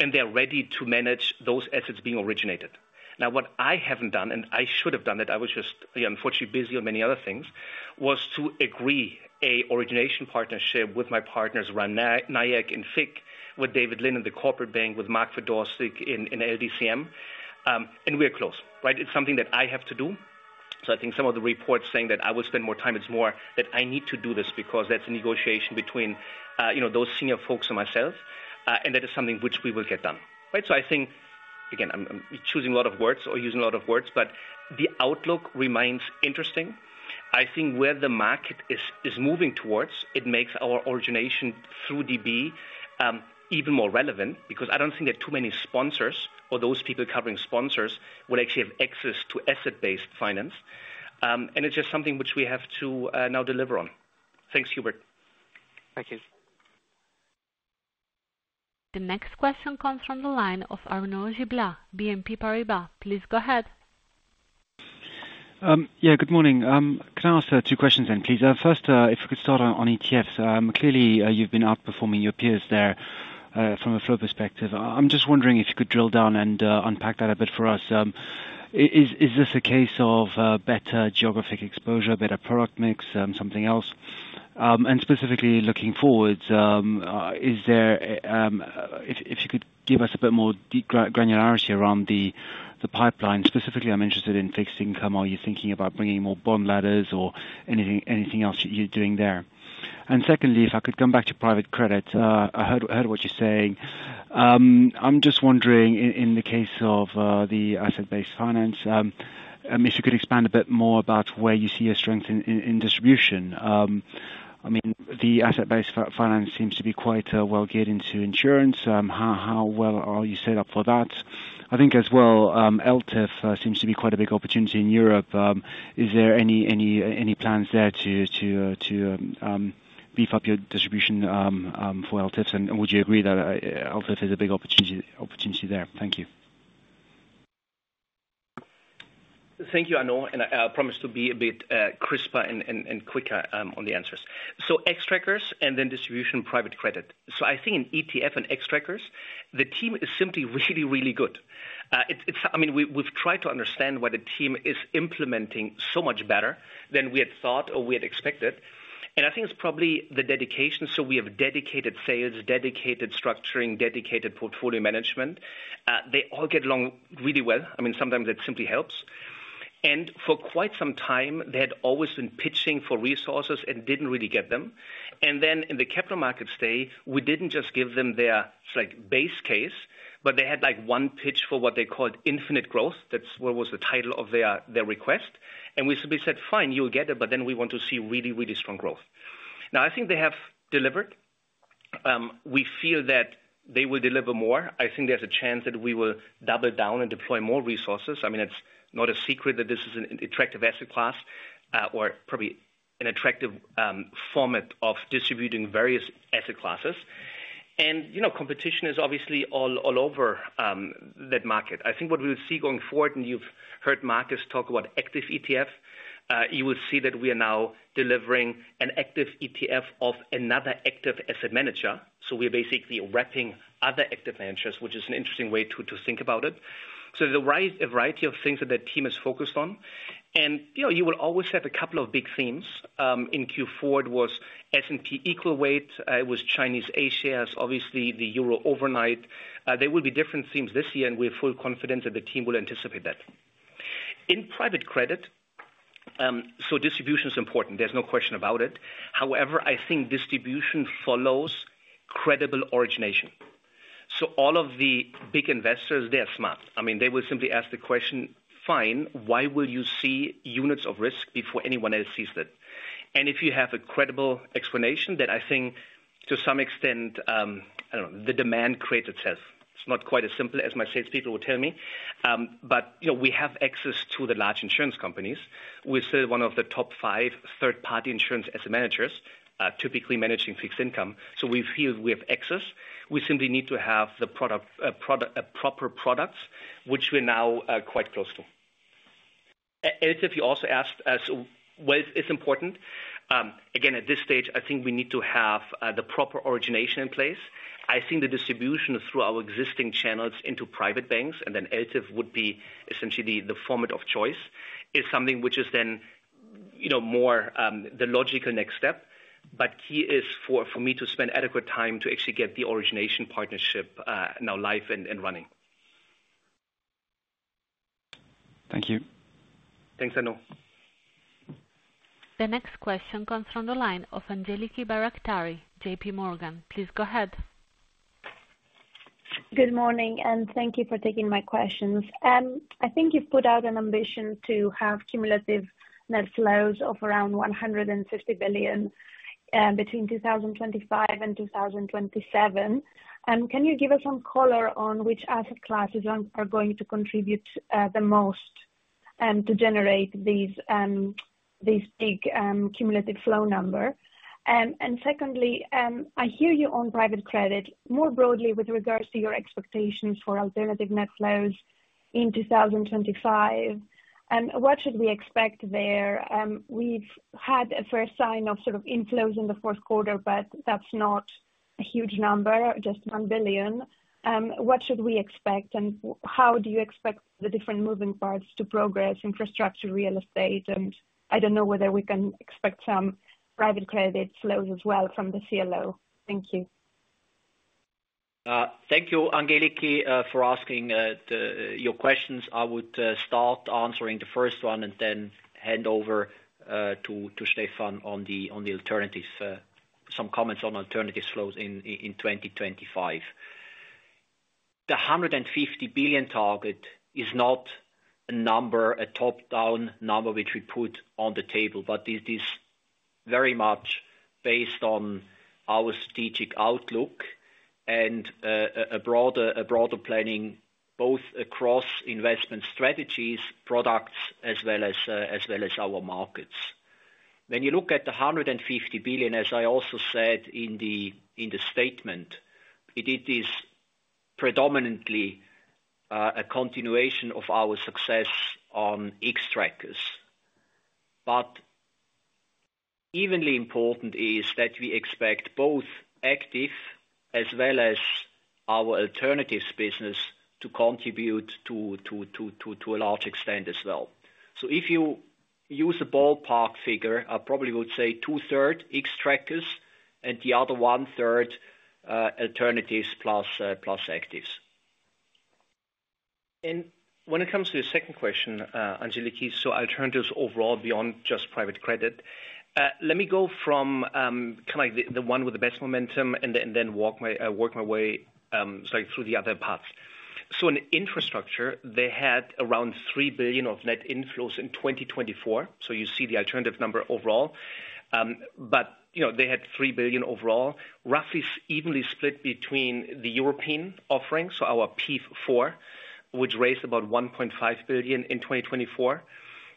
and they're ready to manage those assets being originated. Now, what I haven't done, and I should have done that, I was just unfortunately busy on many other things, was to agree an origination partnership with my partners around Ram Nayak and FICC, with David Lynne in the corporate bank, with Mark Fedorcik in LDCM, and we're close. It's something that I have to do, so I think some of the reports saying that I will spend more time, it's more that I need to do this because that's a negotiation between those senior folks and myself, and that is something which we will get done, so I think, again, I'm choosing a lot of words or using a lot of words, but the outlook remains interesting. I think where the market is moving towards, it makes our origination through DB even more relevant because I don't think that too many sponsors or those people covering sponsors will actually have access to asset-based finance. And it's just something which we have to now deliver on. Thanks, Hubert. Thank you. The next question comes from the line of Arnaud Giblat, BNP Paribas. Please go ahead. Yeah, good morning. Can I ask two questions then, please? First, if we could start on ETFs. Clearly, you've been outperforming your peers there from a flow perspective. I'm just wondering if you could drill down and unpack that a bit for us. Is this a case of better geographic exposure, better product mix, something else? And specifically looking forwards, if you could give us a bit more granularity around the pipeline. Specifically, I'm interested in fixed income. Are you thinking about bringing more bond ladders or anything else you're doing there? And secondly, if I could come back to private credit, I heard what you're saying. I'm just wondering, in the case of the asset-based finance, if you could expand a bit more about where you see your strength in distribution. I mean, the asset-based finance seems to be quite well geared into insurance. How well are you set up for that? I think as well, LTIF seems to be quite a big opportunity in Europe. Is there any plans there to beef up your distribution for ELTIFs? And would you agree that LTIF is a big opportunity there? Thank you. Thank you, Arnaud, and I promise to be a bit crisper and quicker on the answers. So Xtrackers and then distribution private credit. So I think in ETF and Xtrackers, the team is simply really, really good. I mean, we've tried to understand why the team is implementing so much better than we had thought or we had expected. And I think it's probably the dedication. So we have dedicated sales, dedicated structuring, dedicated portfolio management. They all get along really well. I mean, sometimes that simply helps. And for quite some time, they had always been pitching for resources and didn't really get them. And then in the capital markets day, we didn't just give them their base case, but they had one pitch for what they called infinite growth. That's what was the title of their request. And we simply said, "Fine, you'll get it, but then we want to see really, really strong growth." Now, I think they have delivered. We feel that they will deliver more. I think there's a chance that we will double down and deploy more resources. I mean, it's not a secret that this is an attractive asset class or probably an attractive format of distributing various asset classes. And competition is obviously all over that market. I think what we will see going forward, and you've heard Markus talk about active ETF, you will see that we are now delivering an active ETF of another active asset manager. So we're basically wrapping other active managers, which is an interesting way to think about it. So there's a variety of things that the team is focused on. And you will always have a couple of big themes. In Q4, it was S&P equal weight. It was Chinese A-shares, obviously the Euro overnight. There will be different themes this year, and we have full confidence that the team will anticipate that. In private credit, so distribution is important. There's no question about it. However, I think distribution follows credible origination. So all of the big investors, they're smart. I mean, they will simply ask the question, "Fine, why will you see units of risk before anyone else sees it?" And if you have a credible explanation, then I think to some extent, I don't know, the demand creates itself. It's not quite as simple as my salespeople will tell me. But we have access to the large insurance companies. We're still one of the top five third-party insurance asset managers, typically managing fixed income. So we feel we have access. We simply need to have the proper products, which we're now quite close to. LTIF, you also asked us, well, it's important. Again, at this stage, I think we need to have the proper origination in place. I think the distribution through our existing channels into private banks, and then LTIF would be essentially the format of choice, is something which is then more the logical next step. But key is for me to spend adequate time to actually get the origination partnership now live and running. Thank you. Thanks, Arnaud. The next question comes from the line of Angeliki Bairaktari, JP Morgan. Please go ahead. Good morning, and thank you for taking my questions. I think you've put out an ambition to have cumulative net flows of around 150 billion between 2025 and 2027. Can you give us some color on which asset classes are going to contribute the most to generate these big cumulative flow numbers? And secondly, I hear you on private credit more broadly with regards to your expectations for alternative net flows in 2025. What should we expect there? We've had a first sign of sort of inflows in the fourth quarter, but that's not a huge number, just 1 billion. What should we expect, and how do you expect the different moving parts to progress, infrastructure, real estate? And I don't know whether we can expect some private credit flows as well from the CLO. Thank you. Thank you, Angeliki, for asking your questions. I would start answering the first one and then hand over to Stefan on the alternative, some comments on alternative flows in 2025. The 150 billion target is not a number, a top-down number which we put on the table, but it is very much based on our strategic outlook and a broader planning, both across investment strategies, products, as well as our markets. When you look at the €150 billion, as I also said in the statement, it is predominantly a continuation of our success on Xtrackers. Equally important is that we expect both active as well as our alternatives business to contribute to a large extent as well. If you use a ballpark figure, I probably would say two-thirds Xtrackers and the other one-third alternatives plus actives. When it comes to the second question, Angeliki, alternatives overall beyond just private credit, let me go from kind of the one with the best momentum and then work my way through the other paths. In infrastructure, they had around €3 billion of net inflows in 2024. You see the alternative number overall. But they had 3 billion overall, roughly evenly split between the European offering, so our PEIF IV, which raised about 1.5 billion in 2024,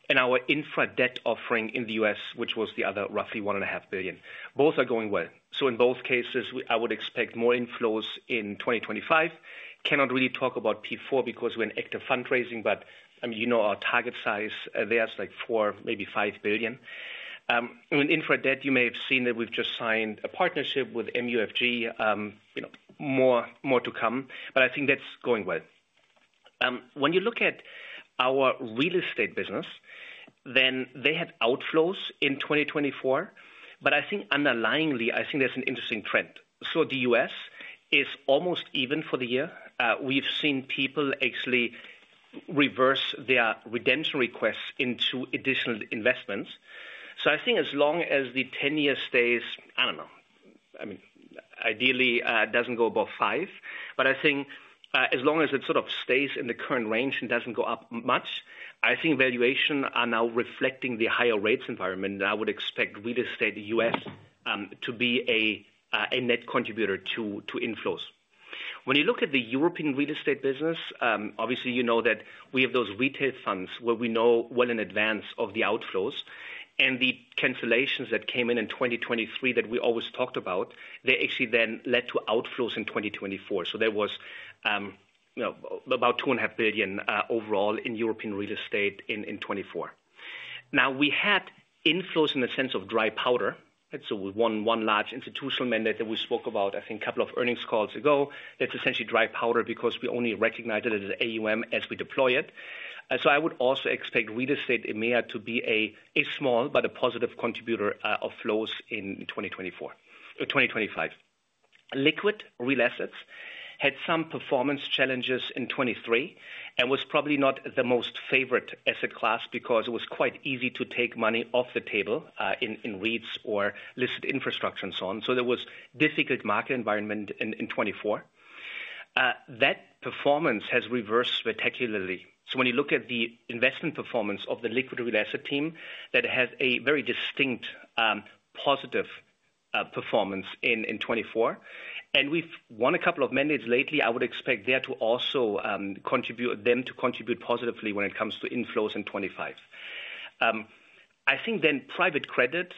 and our infra debt offering in the U.S., which was the other roughly 1.5 billion. Both are going well. So in both cases, I would expect more inflows in 2025. Cannot really talk about PEIF IV because we're in active fundraising, but I mean, you know our target size there is like 4 billion, maybe 5 billion. In infra debt, you may have seen that we've just signed a partnership with MUFG, more to come. But I think that's going well. When you look at our real estate business, then they had outflows in 2024. But I think underlyingly, I think there's an interesting trend. So the U.S. is almost even for the year. We've seen people actually reverse their redemption requests into additional investments. So I think as long as the 10-year stays, I don't know, I mean, ideally it doesn't go above 5. But I think as long as it sort of stays in the current range and doesn't go up much, I think valuations are now reflecting the higher rates environment. And I would expect real estate in the U.S. to be a net contributor to inflows. When you look at the European real estate business, obviously you know that we have those retail funds where we know well in advance of the outflows. And the cancellations that came in in 2023 that we always talked about, they actually then led to outflows in 2024. So there was about 2.5 billion overall in European real estate in 2024. Now, we had inflows in the sense of dry powder. One large institutional mandate that we spoke about, I think a couple of earnings calls ago, that's essentially dry powder because we only recognize it as an AUM as we deploy it. I would also expect real estate EMEA to be a small but positive contributor of flows in 2024 or 2025. Liquid real assets had some performance challenges in 2023 and was probably not the most favorite asset class because it was quite easy to take money off the table in REITs or listed infrastructure and so on. There was a difficult market environment in 2024. That performance has reversed spectacularly. When you look at the investment performance of the liquid real asset team, that has a very distinct positive performance in 2024. We've won a couple of mandates lately. I would expect them to also contribute positively when it comes to inflows in 2025. I think then private credit,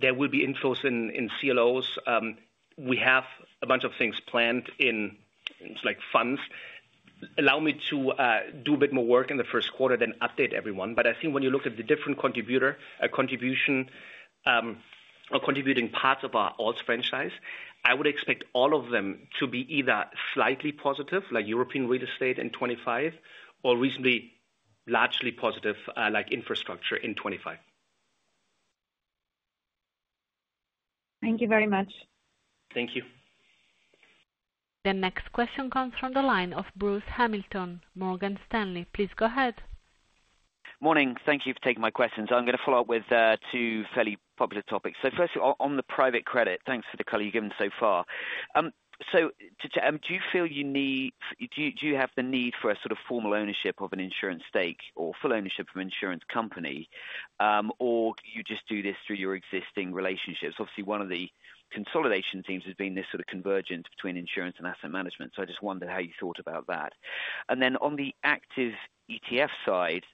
there will be inflows in CLOs. We have a bunch of things planned in funds. Allow me to do a bit more work in the first quarter then update everyone. But I think when you look at the different contribution or contributing parts of our ALTS franchise, I would expect all of them to be either slightly positive, like European real estate in 2025, or reasonably largely positive, like infrastructure in 2025. Thank you very much. Thank you. The next question comes from the line of Bruce Hamilton, Morgan Stanley. Please go ahead. Morning. Thank you for taking my questions. I'm going to follow up with two fairly popular topics. So first, on the private credit, thanks for the color you've given so far. So do you have the need for a sort of formal ownership of an insurance stake or full ownership of an insurance company, or do you just do this through your existing relationships? Obviously, one of the consolidation themes has been this sort of convergence between insurance and asset management. So I just wondered how you thought about that. And then on the active ETF side,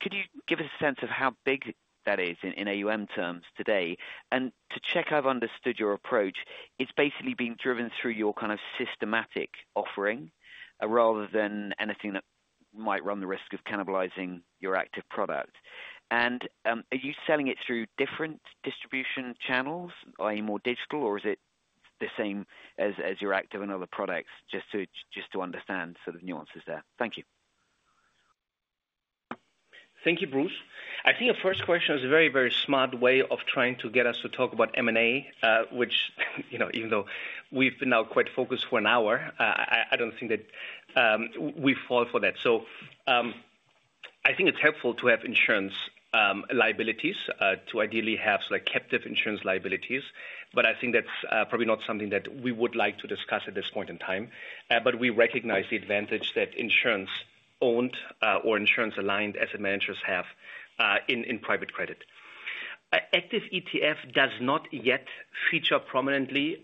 could you give us a sense of how big that is in AUM terms today? And to check I've understood your approach, it's basically being driven through your kind of systematic offering rather than anything that might run the risk of cannibalizing your active product. And are you selling it through different distribution channels, i.e., more digital, or is it the same as your active and other products? Just to understand sort of nuances there. Thank you. Thank you, Bruce. I think your first question is a very, very smart way of trying to get us to talk about M&A, which even though we've been now quite focused for an hour, I don't think that we fall for that. So I think it's helpful to have insurance liabilities, to ideally have captive insurance liabilities. But I think that's probably not something that we would like to discuss at this point in time. But we recognize the advantage that insurance-owned or insurance-aligned asset managers have in private credit. Active ETF does not yet feature prominently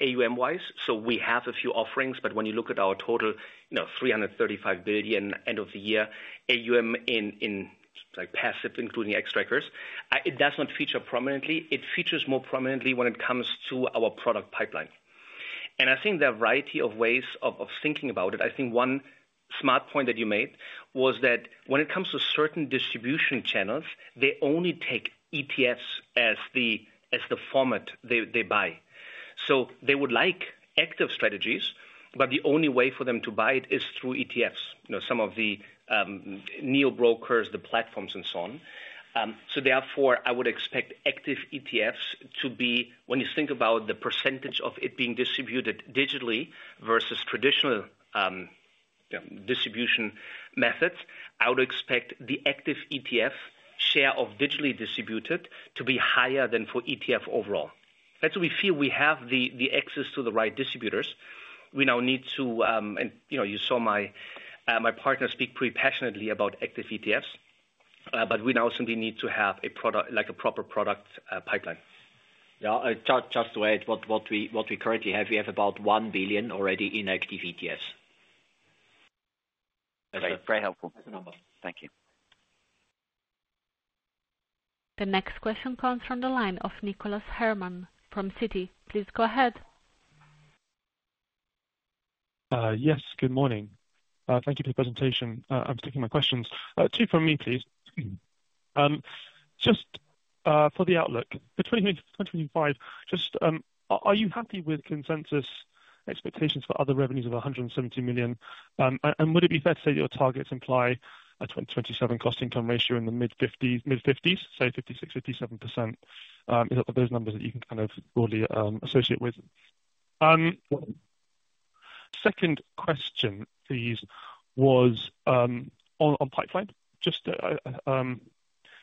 AUM-wise. So we have a few offerings. But when you look at our total 335 billion end of the year, AUM in passive, including Xtrackers, it does not feature prominently. It features more prominently when it comes to our product pipeline. And I think there are a variety of ways of thinking about it. I think one smart point that you made was that when it comes to certain distribution channels, they only take ETFs as the format they buy. So they would like active strategies, but the only way for them to buy it is through ETFs, some of the neo brokers, the platforms, and so on. So therefore, I would expect active ETFs to be, when you think about the percentage of it being distributed digitally versus traditional distribution methods, I would expect the active ETF share of digitally distributed to be higher than for ETF overall. That's what we feel we have the access to the right distributors. We now need to, and you saw my partner speak pretty passionately about active ETFs, but we now simply need to have a proper product pipeline. Yeah, just to add what we currently have, we have about 1 billion already in active ETFs. Okay, very helpful. Thank you. The next question comes from the line of Nicholas Herman from Citi. Please go ahead. Yes, good morning. Thank you for the presentation. I'm taking my questions. Two from me, please. Just for the outlook, for 2025, just are you happy with consensus expectations for other revenues of 170 million? And would it be fair to say that your targets imply a 2027 cost-income ratio in the mid-50s, say 56%, 57%? Is that those numbers that you can kind of broadly associate with? Second question, please, was on pipeline. Just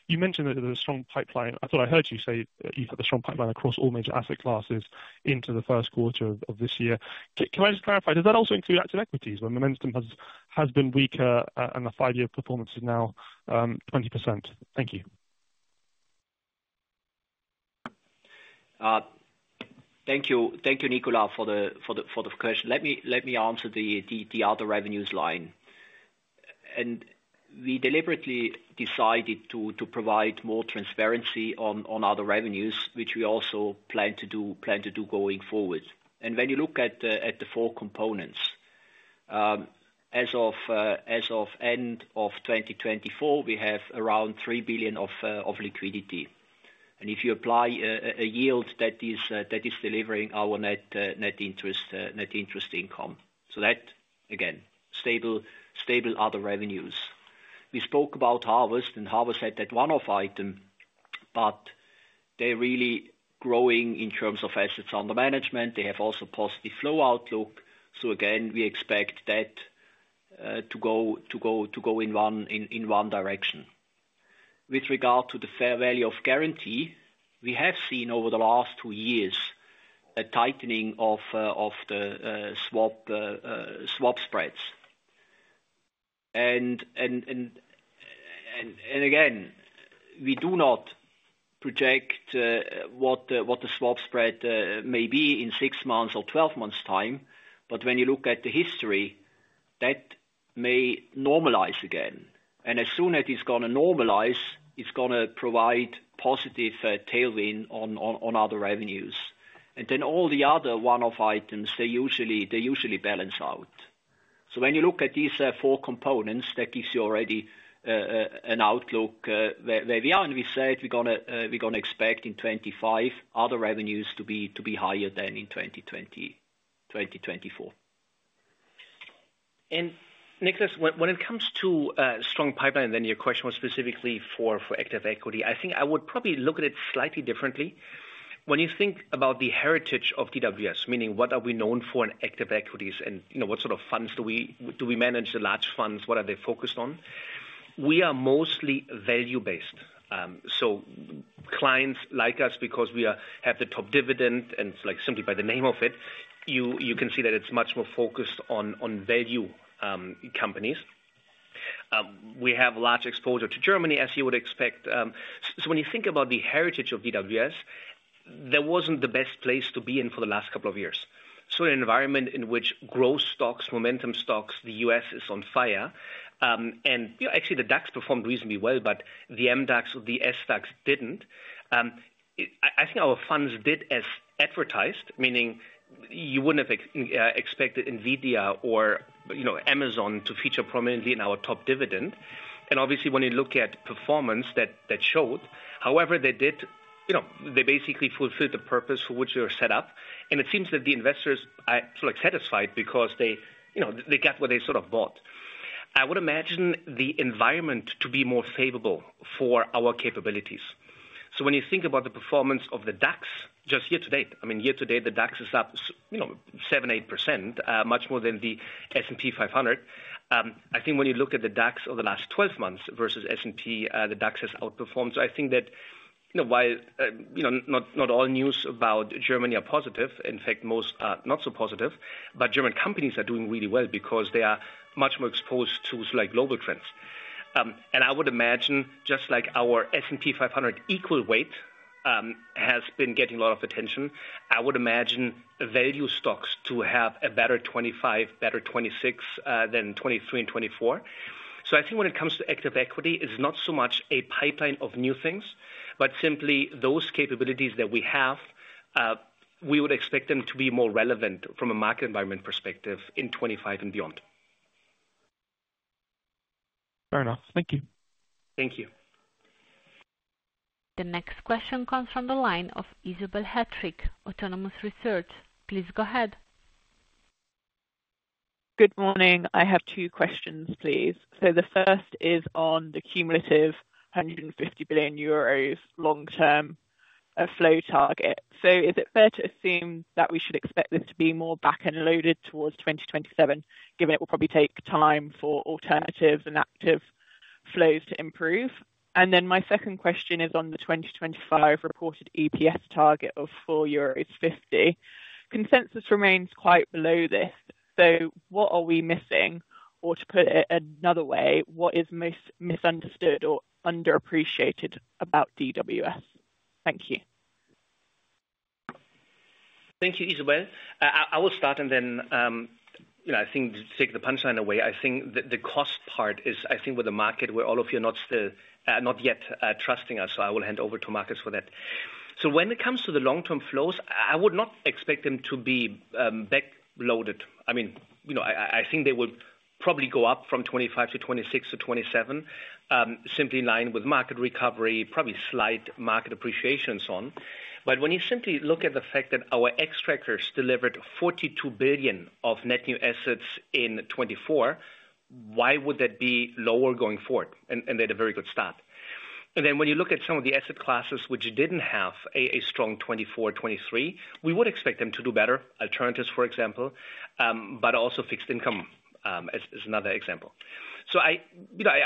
you mentioned that there's a strong pipeline. I thought I heard you say you've got a strong pipeline across all major asset classes into the first quarter of this year. Can I just clarify, does that also include active equities when momentum has been weaker and the five-year performance is now 20%? Thank you. Thank you, Nicolas, for the question. Let me answer the other revenues line. And we deliberately decided to provide more transparency on other revenues, which we also plan to do going forward. And when you look at the four components, as of end of 2024, we have around 3 billion of liquidity. And if you apply a yield, that is delivering our net interest income. So that, again, stable other revenues. We spoke about Harvest, and Harvest had that one-off item, but they're really growing in terms of assets under management. They have also a positive flow outlook. So again, we expect that to go in one direction. With regard to the fair value of guarantee, we have seen over the last two years a tightening of the swap spreads. And again, we do not project what the swap spread may be in six months or 12 months' time. But when you look at the history, that may normalize again. And as soon as it's going to normalize, it's going to provide positive tailwind on other revenues. And then all the other one-off items, they usually balance out. So when you look at these four components, that gives you already an outlook where we are. And we said we're going to expect in 2025 other revenues to be higher than in 2024. And Nicholas, when it comes to strong pipeline, then your question was specifically for active equity. I think I would probably look at it slightly differently. When you think about the heritage of DWS, meaning what are we known for in active equities and what sort of funds do we manage, the large funds, what are they focused on? We are mostly value-based. So clients like us, because we have the top dividend and simply by the name of it, you can see that it's much more focused on value companies. We have a large exposure to Germany, as you would expect. So when you think about the heritage of DWS, there wasn't the best place to be in for the last couple of years. So in an environment in which growth stocks, momentum stocks, the U.S. is on fire. And actually, the DAX performed reasonably well, but the MDAX or the SDAX didn't. I think our funds did as advertised, meaning you wouldn't have expected NVIDIA or Amazon to feature prominently in our top dividend. Obviously, when you look at performance that showed, however, they did, they basically fulfilled the purpose for which they were set up. It seems that the investors are sort of satisfied because they got what they sort of bought. I would imagine the environment to be more favorable for our capabilities. When you think about the performance of the DAX just year to date, I mean, year to date, the DAX is up 7-8%, much more than the S&P 500. I think when you look at the DAX over the last 12 months versus S&P, the DAX has outperformed. I think that while not all news about Germany are positive, in fact, most are not so positive, but German companies are doing really well because they are much more exposed to global trends. And I would imagine, just like our S&P 500 equal weight has been getting a lot of attention, I would imagine value stocks to have a better 2025, better 2026 than 2023 and 2024. So I think when it comes to active equity, it's not so much a pipeline of new things, but simply those capabilities that we have, we would expect them to be more relevant from a market environment perspective in 2025 and beyond. Fair enough. Thank you. Thank you. The next question comes from the line of Isobel Hettrick, Autonomous Research. Please go ahead. Good morning. I have two questions, please. So the first is on the cumulative 150 billion euros long-term flow target. So is it fair to assume that we should expect this to be more back-end loaded towards 2027, given it will probably take time for alternatives and active flows to improve? And then my second question is on the 2025 reported EPS target of 4.50 euros. Consensus remains quite below this. So what are we missing? Or to put it another way, what is most misunderstood or underappreciated about DWS? Thank you. Thank you, Isobel. I will start and then I think to take the punchline away. I think the cost part is, I think, with the market where all of you are not yet trusting us. So I will hand over to Markus for that. So when it comes to the long-term flows, I would not expect them to be back-loaded. I mean, I think they would probably go up from 2025-2026 to 2027, simply in line with market recovery, probably slight market appreciation and so on. But when you simply look at the fact that our Xtrackers delivered 42 billion of net new assets in 2024, why would that be lower going forward? And they had a very good start. And then when you look at some of the asset classes which didn't have a strong 2024, 2023, we would expect them to do better, alternatives, for example, but also fixed income is another example. So I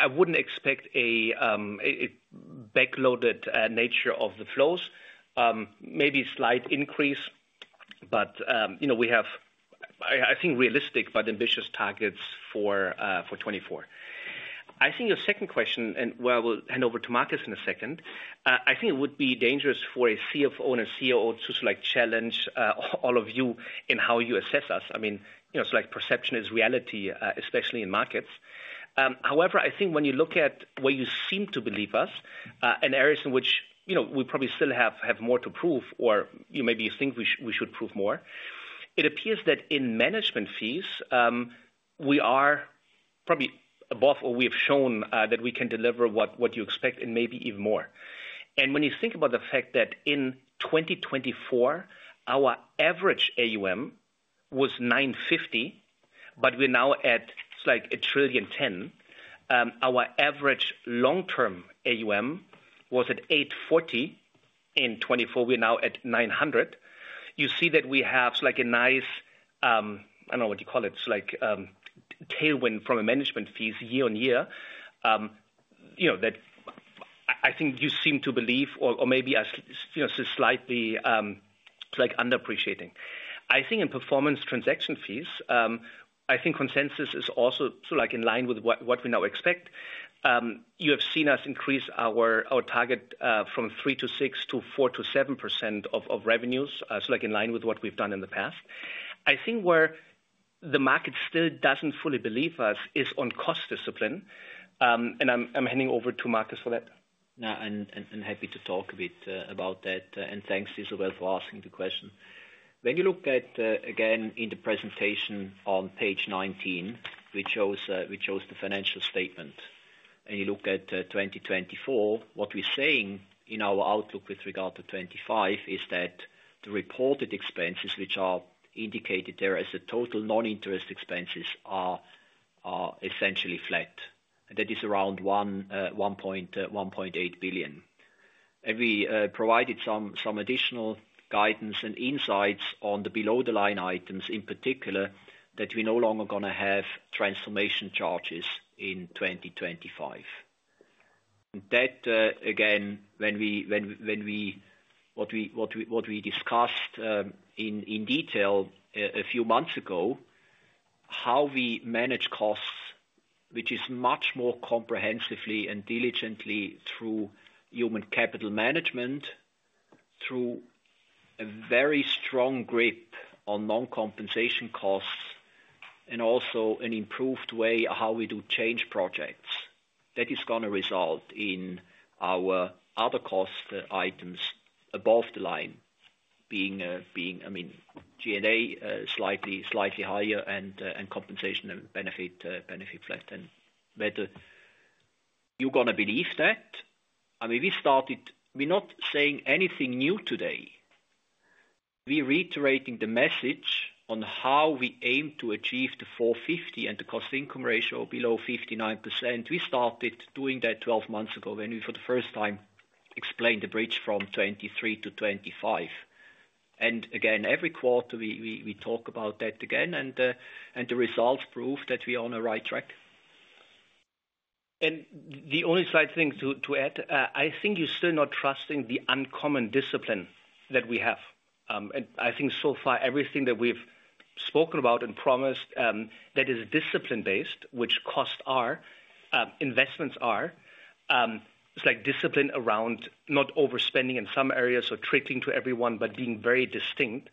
wouldn't expect a back-loaded nature of the flows, maybe slight increase, but we have, I think, realistic but ambitious targets for 2024. I think your second question, and I will hand over to Markus in a second, I think it would be dangerous for a CFO and a COO to sort of challenge all of you in how you assess us. I mean, it's like perception is reality, especially in markets. However, I think when you look at where you seem to believe us and areas in which we probably still have more to prove or maybe you think we should prove more, it appears that in management fees, we are probably above or we have shown that we can deliver what you expect and maybe even more and when you think about the fact that in 2024, our average AUM was 950 billion, but we're now at like 1.010 trillion. Our average long-term AUM was at 840 billion. In 2024, we're now at 900 billion. You see that we have a nice, I don't know what you call it, tailwind from management fees year on year that I think you seem to believe or maybe slightly underappreciating. I think in performance transaction fees, I think consensus is also in line with what we now expect. You have seen us increase our target from 3% to 6% to 4% to 7% of revenues, so in line with what we've done in the past. I think where the market still doesn't fully believe us is on cost discipline. And I'm handing over to Markus for that. No, I'm happy to talk a bit about that. And thanks, Isobel, for asking the question. When you look at, again, in the presentation on page 19, we chose the financial statement. And you look at 2024, what we're saying in our outlook with regard to 2025 is that the reported expenses, which are indicated there as the total non-interest expenses, are essentially flat. And that is around 1.8 billion. And we provided some additional guidance and insights on the below-the-line items, in particular, that we're no longer going to have transformation charges in 2025. That, again, when we discussed in detail a few months ago how we manage costs, which is much more comprehensively and diligently through human capital management, through a very strong grip on non-compensation costs, and also an improved way of how we do change projects, that is going to result in our other cost items above the line being, I mean, G&A slightly higher and compensation and benefit flatter. But you're going to believe that? I mean, we started. We're not saying anything new today. We're reiterating the message on how we aim to achieve the 450 and the cost-income ratio below 59%. We started doing that 12 months ago when we for the first time explained the bridge from 2023 to 2025. And again, every quarter, we talk about that again. And the results prove that we are on a right track. And the only slight thing to add, I think you're still not trusting the uncommon discipline that we have. I think so far, everything that we've spoken about and promised that is discipline-based, which costs are, investments are. It's like discipline around not overspending in some areas or trickling to everyone, but being very distinct.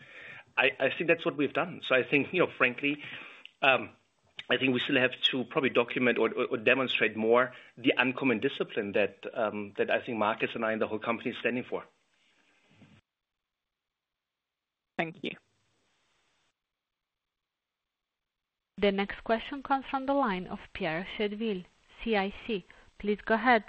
I think that's what we've done. So I think, frankly, I think we still have to probably document or demonstrate more the uncommon discipline that I think Markus and I and the whole company are standing for. Thank you. The next question comes from the line of Pierre Chédeville, CIC. Please go ahead.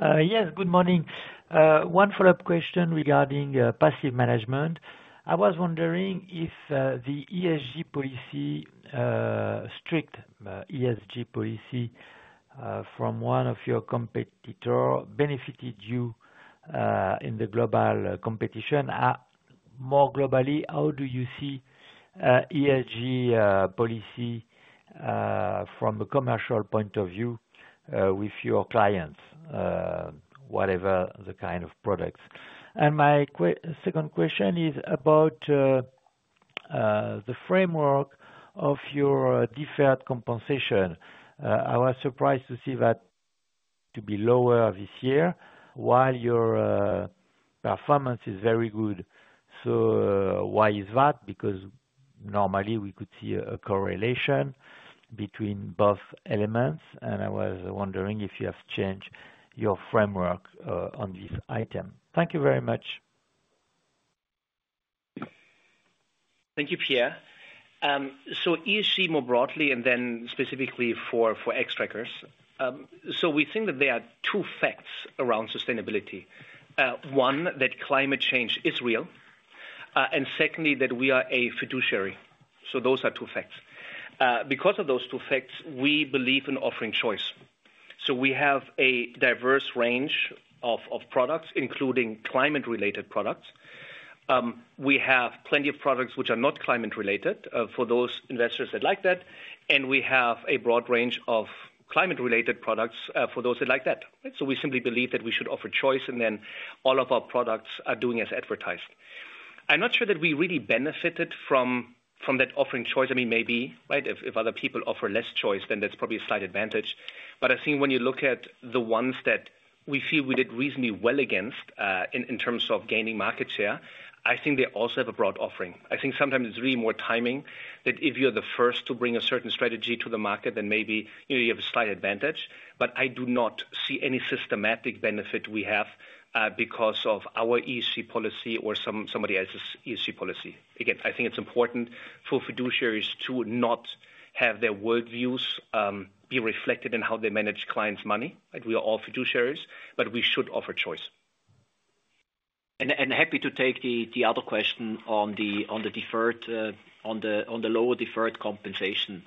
Yes, good morning. One follow-up question regarding passive management. I was wondering if the ESG policy, strict ESG policy from one of your competitors, benefited you in the global competition. More globally, how do you see ESG policy from a commercial point of view with your clients, whatever the kind of products? And my second question is about the framework of your deferred compensation. I was surprised to see that to be lower this year while your performance is very good. So why is that? Because normally, we could see a correlation between both elements. And I was wondering if you have changed your framework on this item. Thank you very much. Thank you, Pierre. So ESG more broadly and then specifically for Xtrackers. So we think that there are two facts around sustainability. One, that climate change is real. And secondly, that we are a fiduciary. So those are two facts. Because of those two facts, we believe in offering choice. So we have a diverse range of products, including climate-related products. We have plenty of products which are not climate-related for those investors that like that. And we have a broad range of climate-related products for those that like that. So we simply believe that we should offer choice, and then all of our products are doing as advertised. I'm not sure that we really benefited from that offering choice. I mean, maybe, right? If other people offer less choice, then that's probably a slight advantage. But I think when you look at the ones that we feel we did reasonably well against in terms of gaining market share, I think they also have a broad offering. I think sometimes it's really more timing that if you're the first to bring a certain strategy to the market, then maybe you have a slight advantage. But I do not see any systematic benefit we have because of our ESG policy or somebody else's ESG policy. Again, I think it's important for fiduciaries to not have their worldviews be reflected in how they manage clients' money. We are all fiduciaries, but we should offer choice. And happy to take the other question on the deferred, on the lower deferred compensation.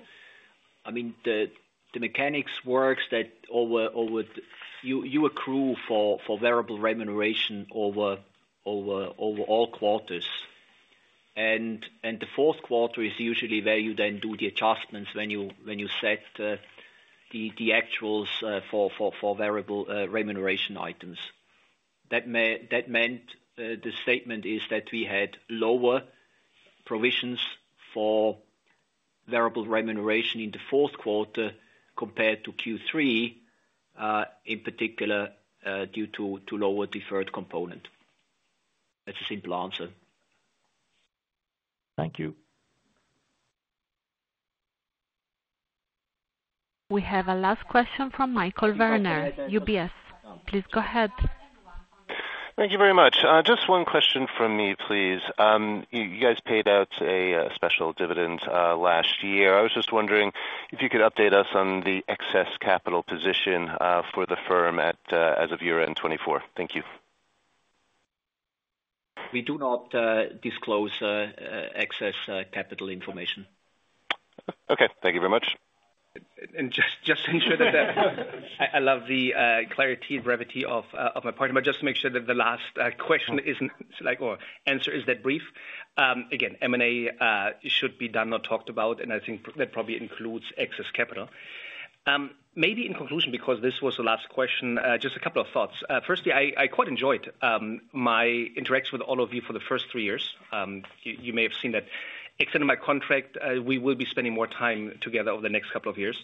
I mean, the mechanics works that you accrue for variable remuneration over all quarters. And the fourth quarter is usually where you then do the adjustments when you set the actuals for variable remuneration items. That meant the statement is that we had lower provisions for variable remuneration in the fourth quarter compared to Q3, in particular, due to lower deferred component. That's a simple answer. Thank you. We have a last question from Michael Werner, UBS. Please go ahead. Thank you very much. Just one question from me, please. You guys paid out a special dividend last year. I was just wondering if you could update us on the excess capital position for the firm as of year-end 2024. Thank you. We do not disclose excess capital information. Okay. Thank you very much. And just to ensure that I love the clarity and brevity of my part, but just to make sure that the last question isn't or answer is that brief. Again, M&A should be done or talked about, and I think that probably includes excess capital. Maybe in conclusion, because this was the last question, just a couple of thoughts. Firstly, I quite enjoyed my interaction with all of you for the first three years. You may have seen that extended my contract. We will be spending more time together over the next couple of years.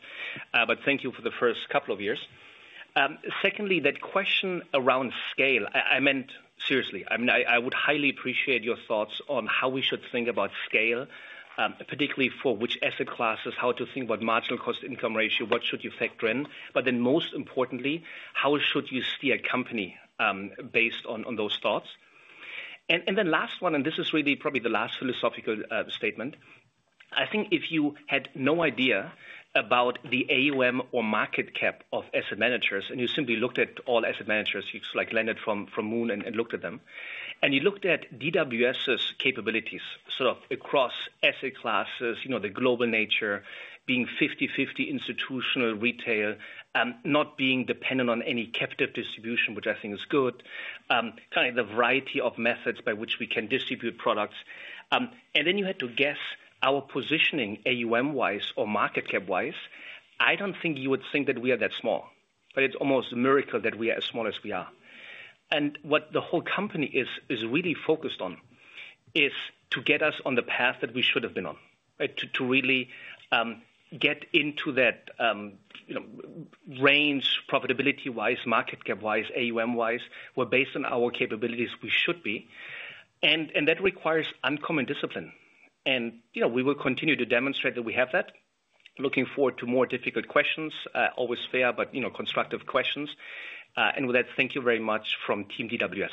But thank you for the first couple of years. Secondly, that question around scale, I meant, seriously, I would highly appreciate your thoughts on how we should think about scale, particularly for which asset classes, how to think about marginal cost-income ratio, what should you factor in. But then most importantly, how should you steer a company based on those thoughts? And then last one, and this is really probably the last philosophical statement. I think if you had no idea about the AUM or market cap of asset managers, and you simply looked at all asset managers, you landed from the moon and looked at them, and you looked at DWS's capabilities sort of across asset classes, the global nature being 50/50 institutional retail, not being dependent on any captive distribution, which I think is good, kind of the variety of methods by which we can distribute products. And then you had to guess our positioning AUM-wise or market cap-wise. I don't think you would think that we are that small, but it's almost a miracle that we are as small as we are. And what the whole company is really focused on is to get us on the path that we should have been on, to really get into that range profitability-wise, market cap-wise, AUM-wise, where based on our capabilities, we should be. And that requires uncommon discipline. And we will continue to demonstrate that we have that. Looking forward to more difficult questions, always fair, but constructive questions. And with that, thank you very much from Team DWS.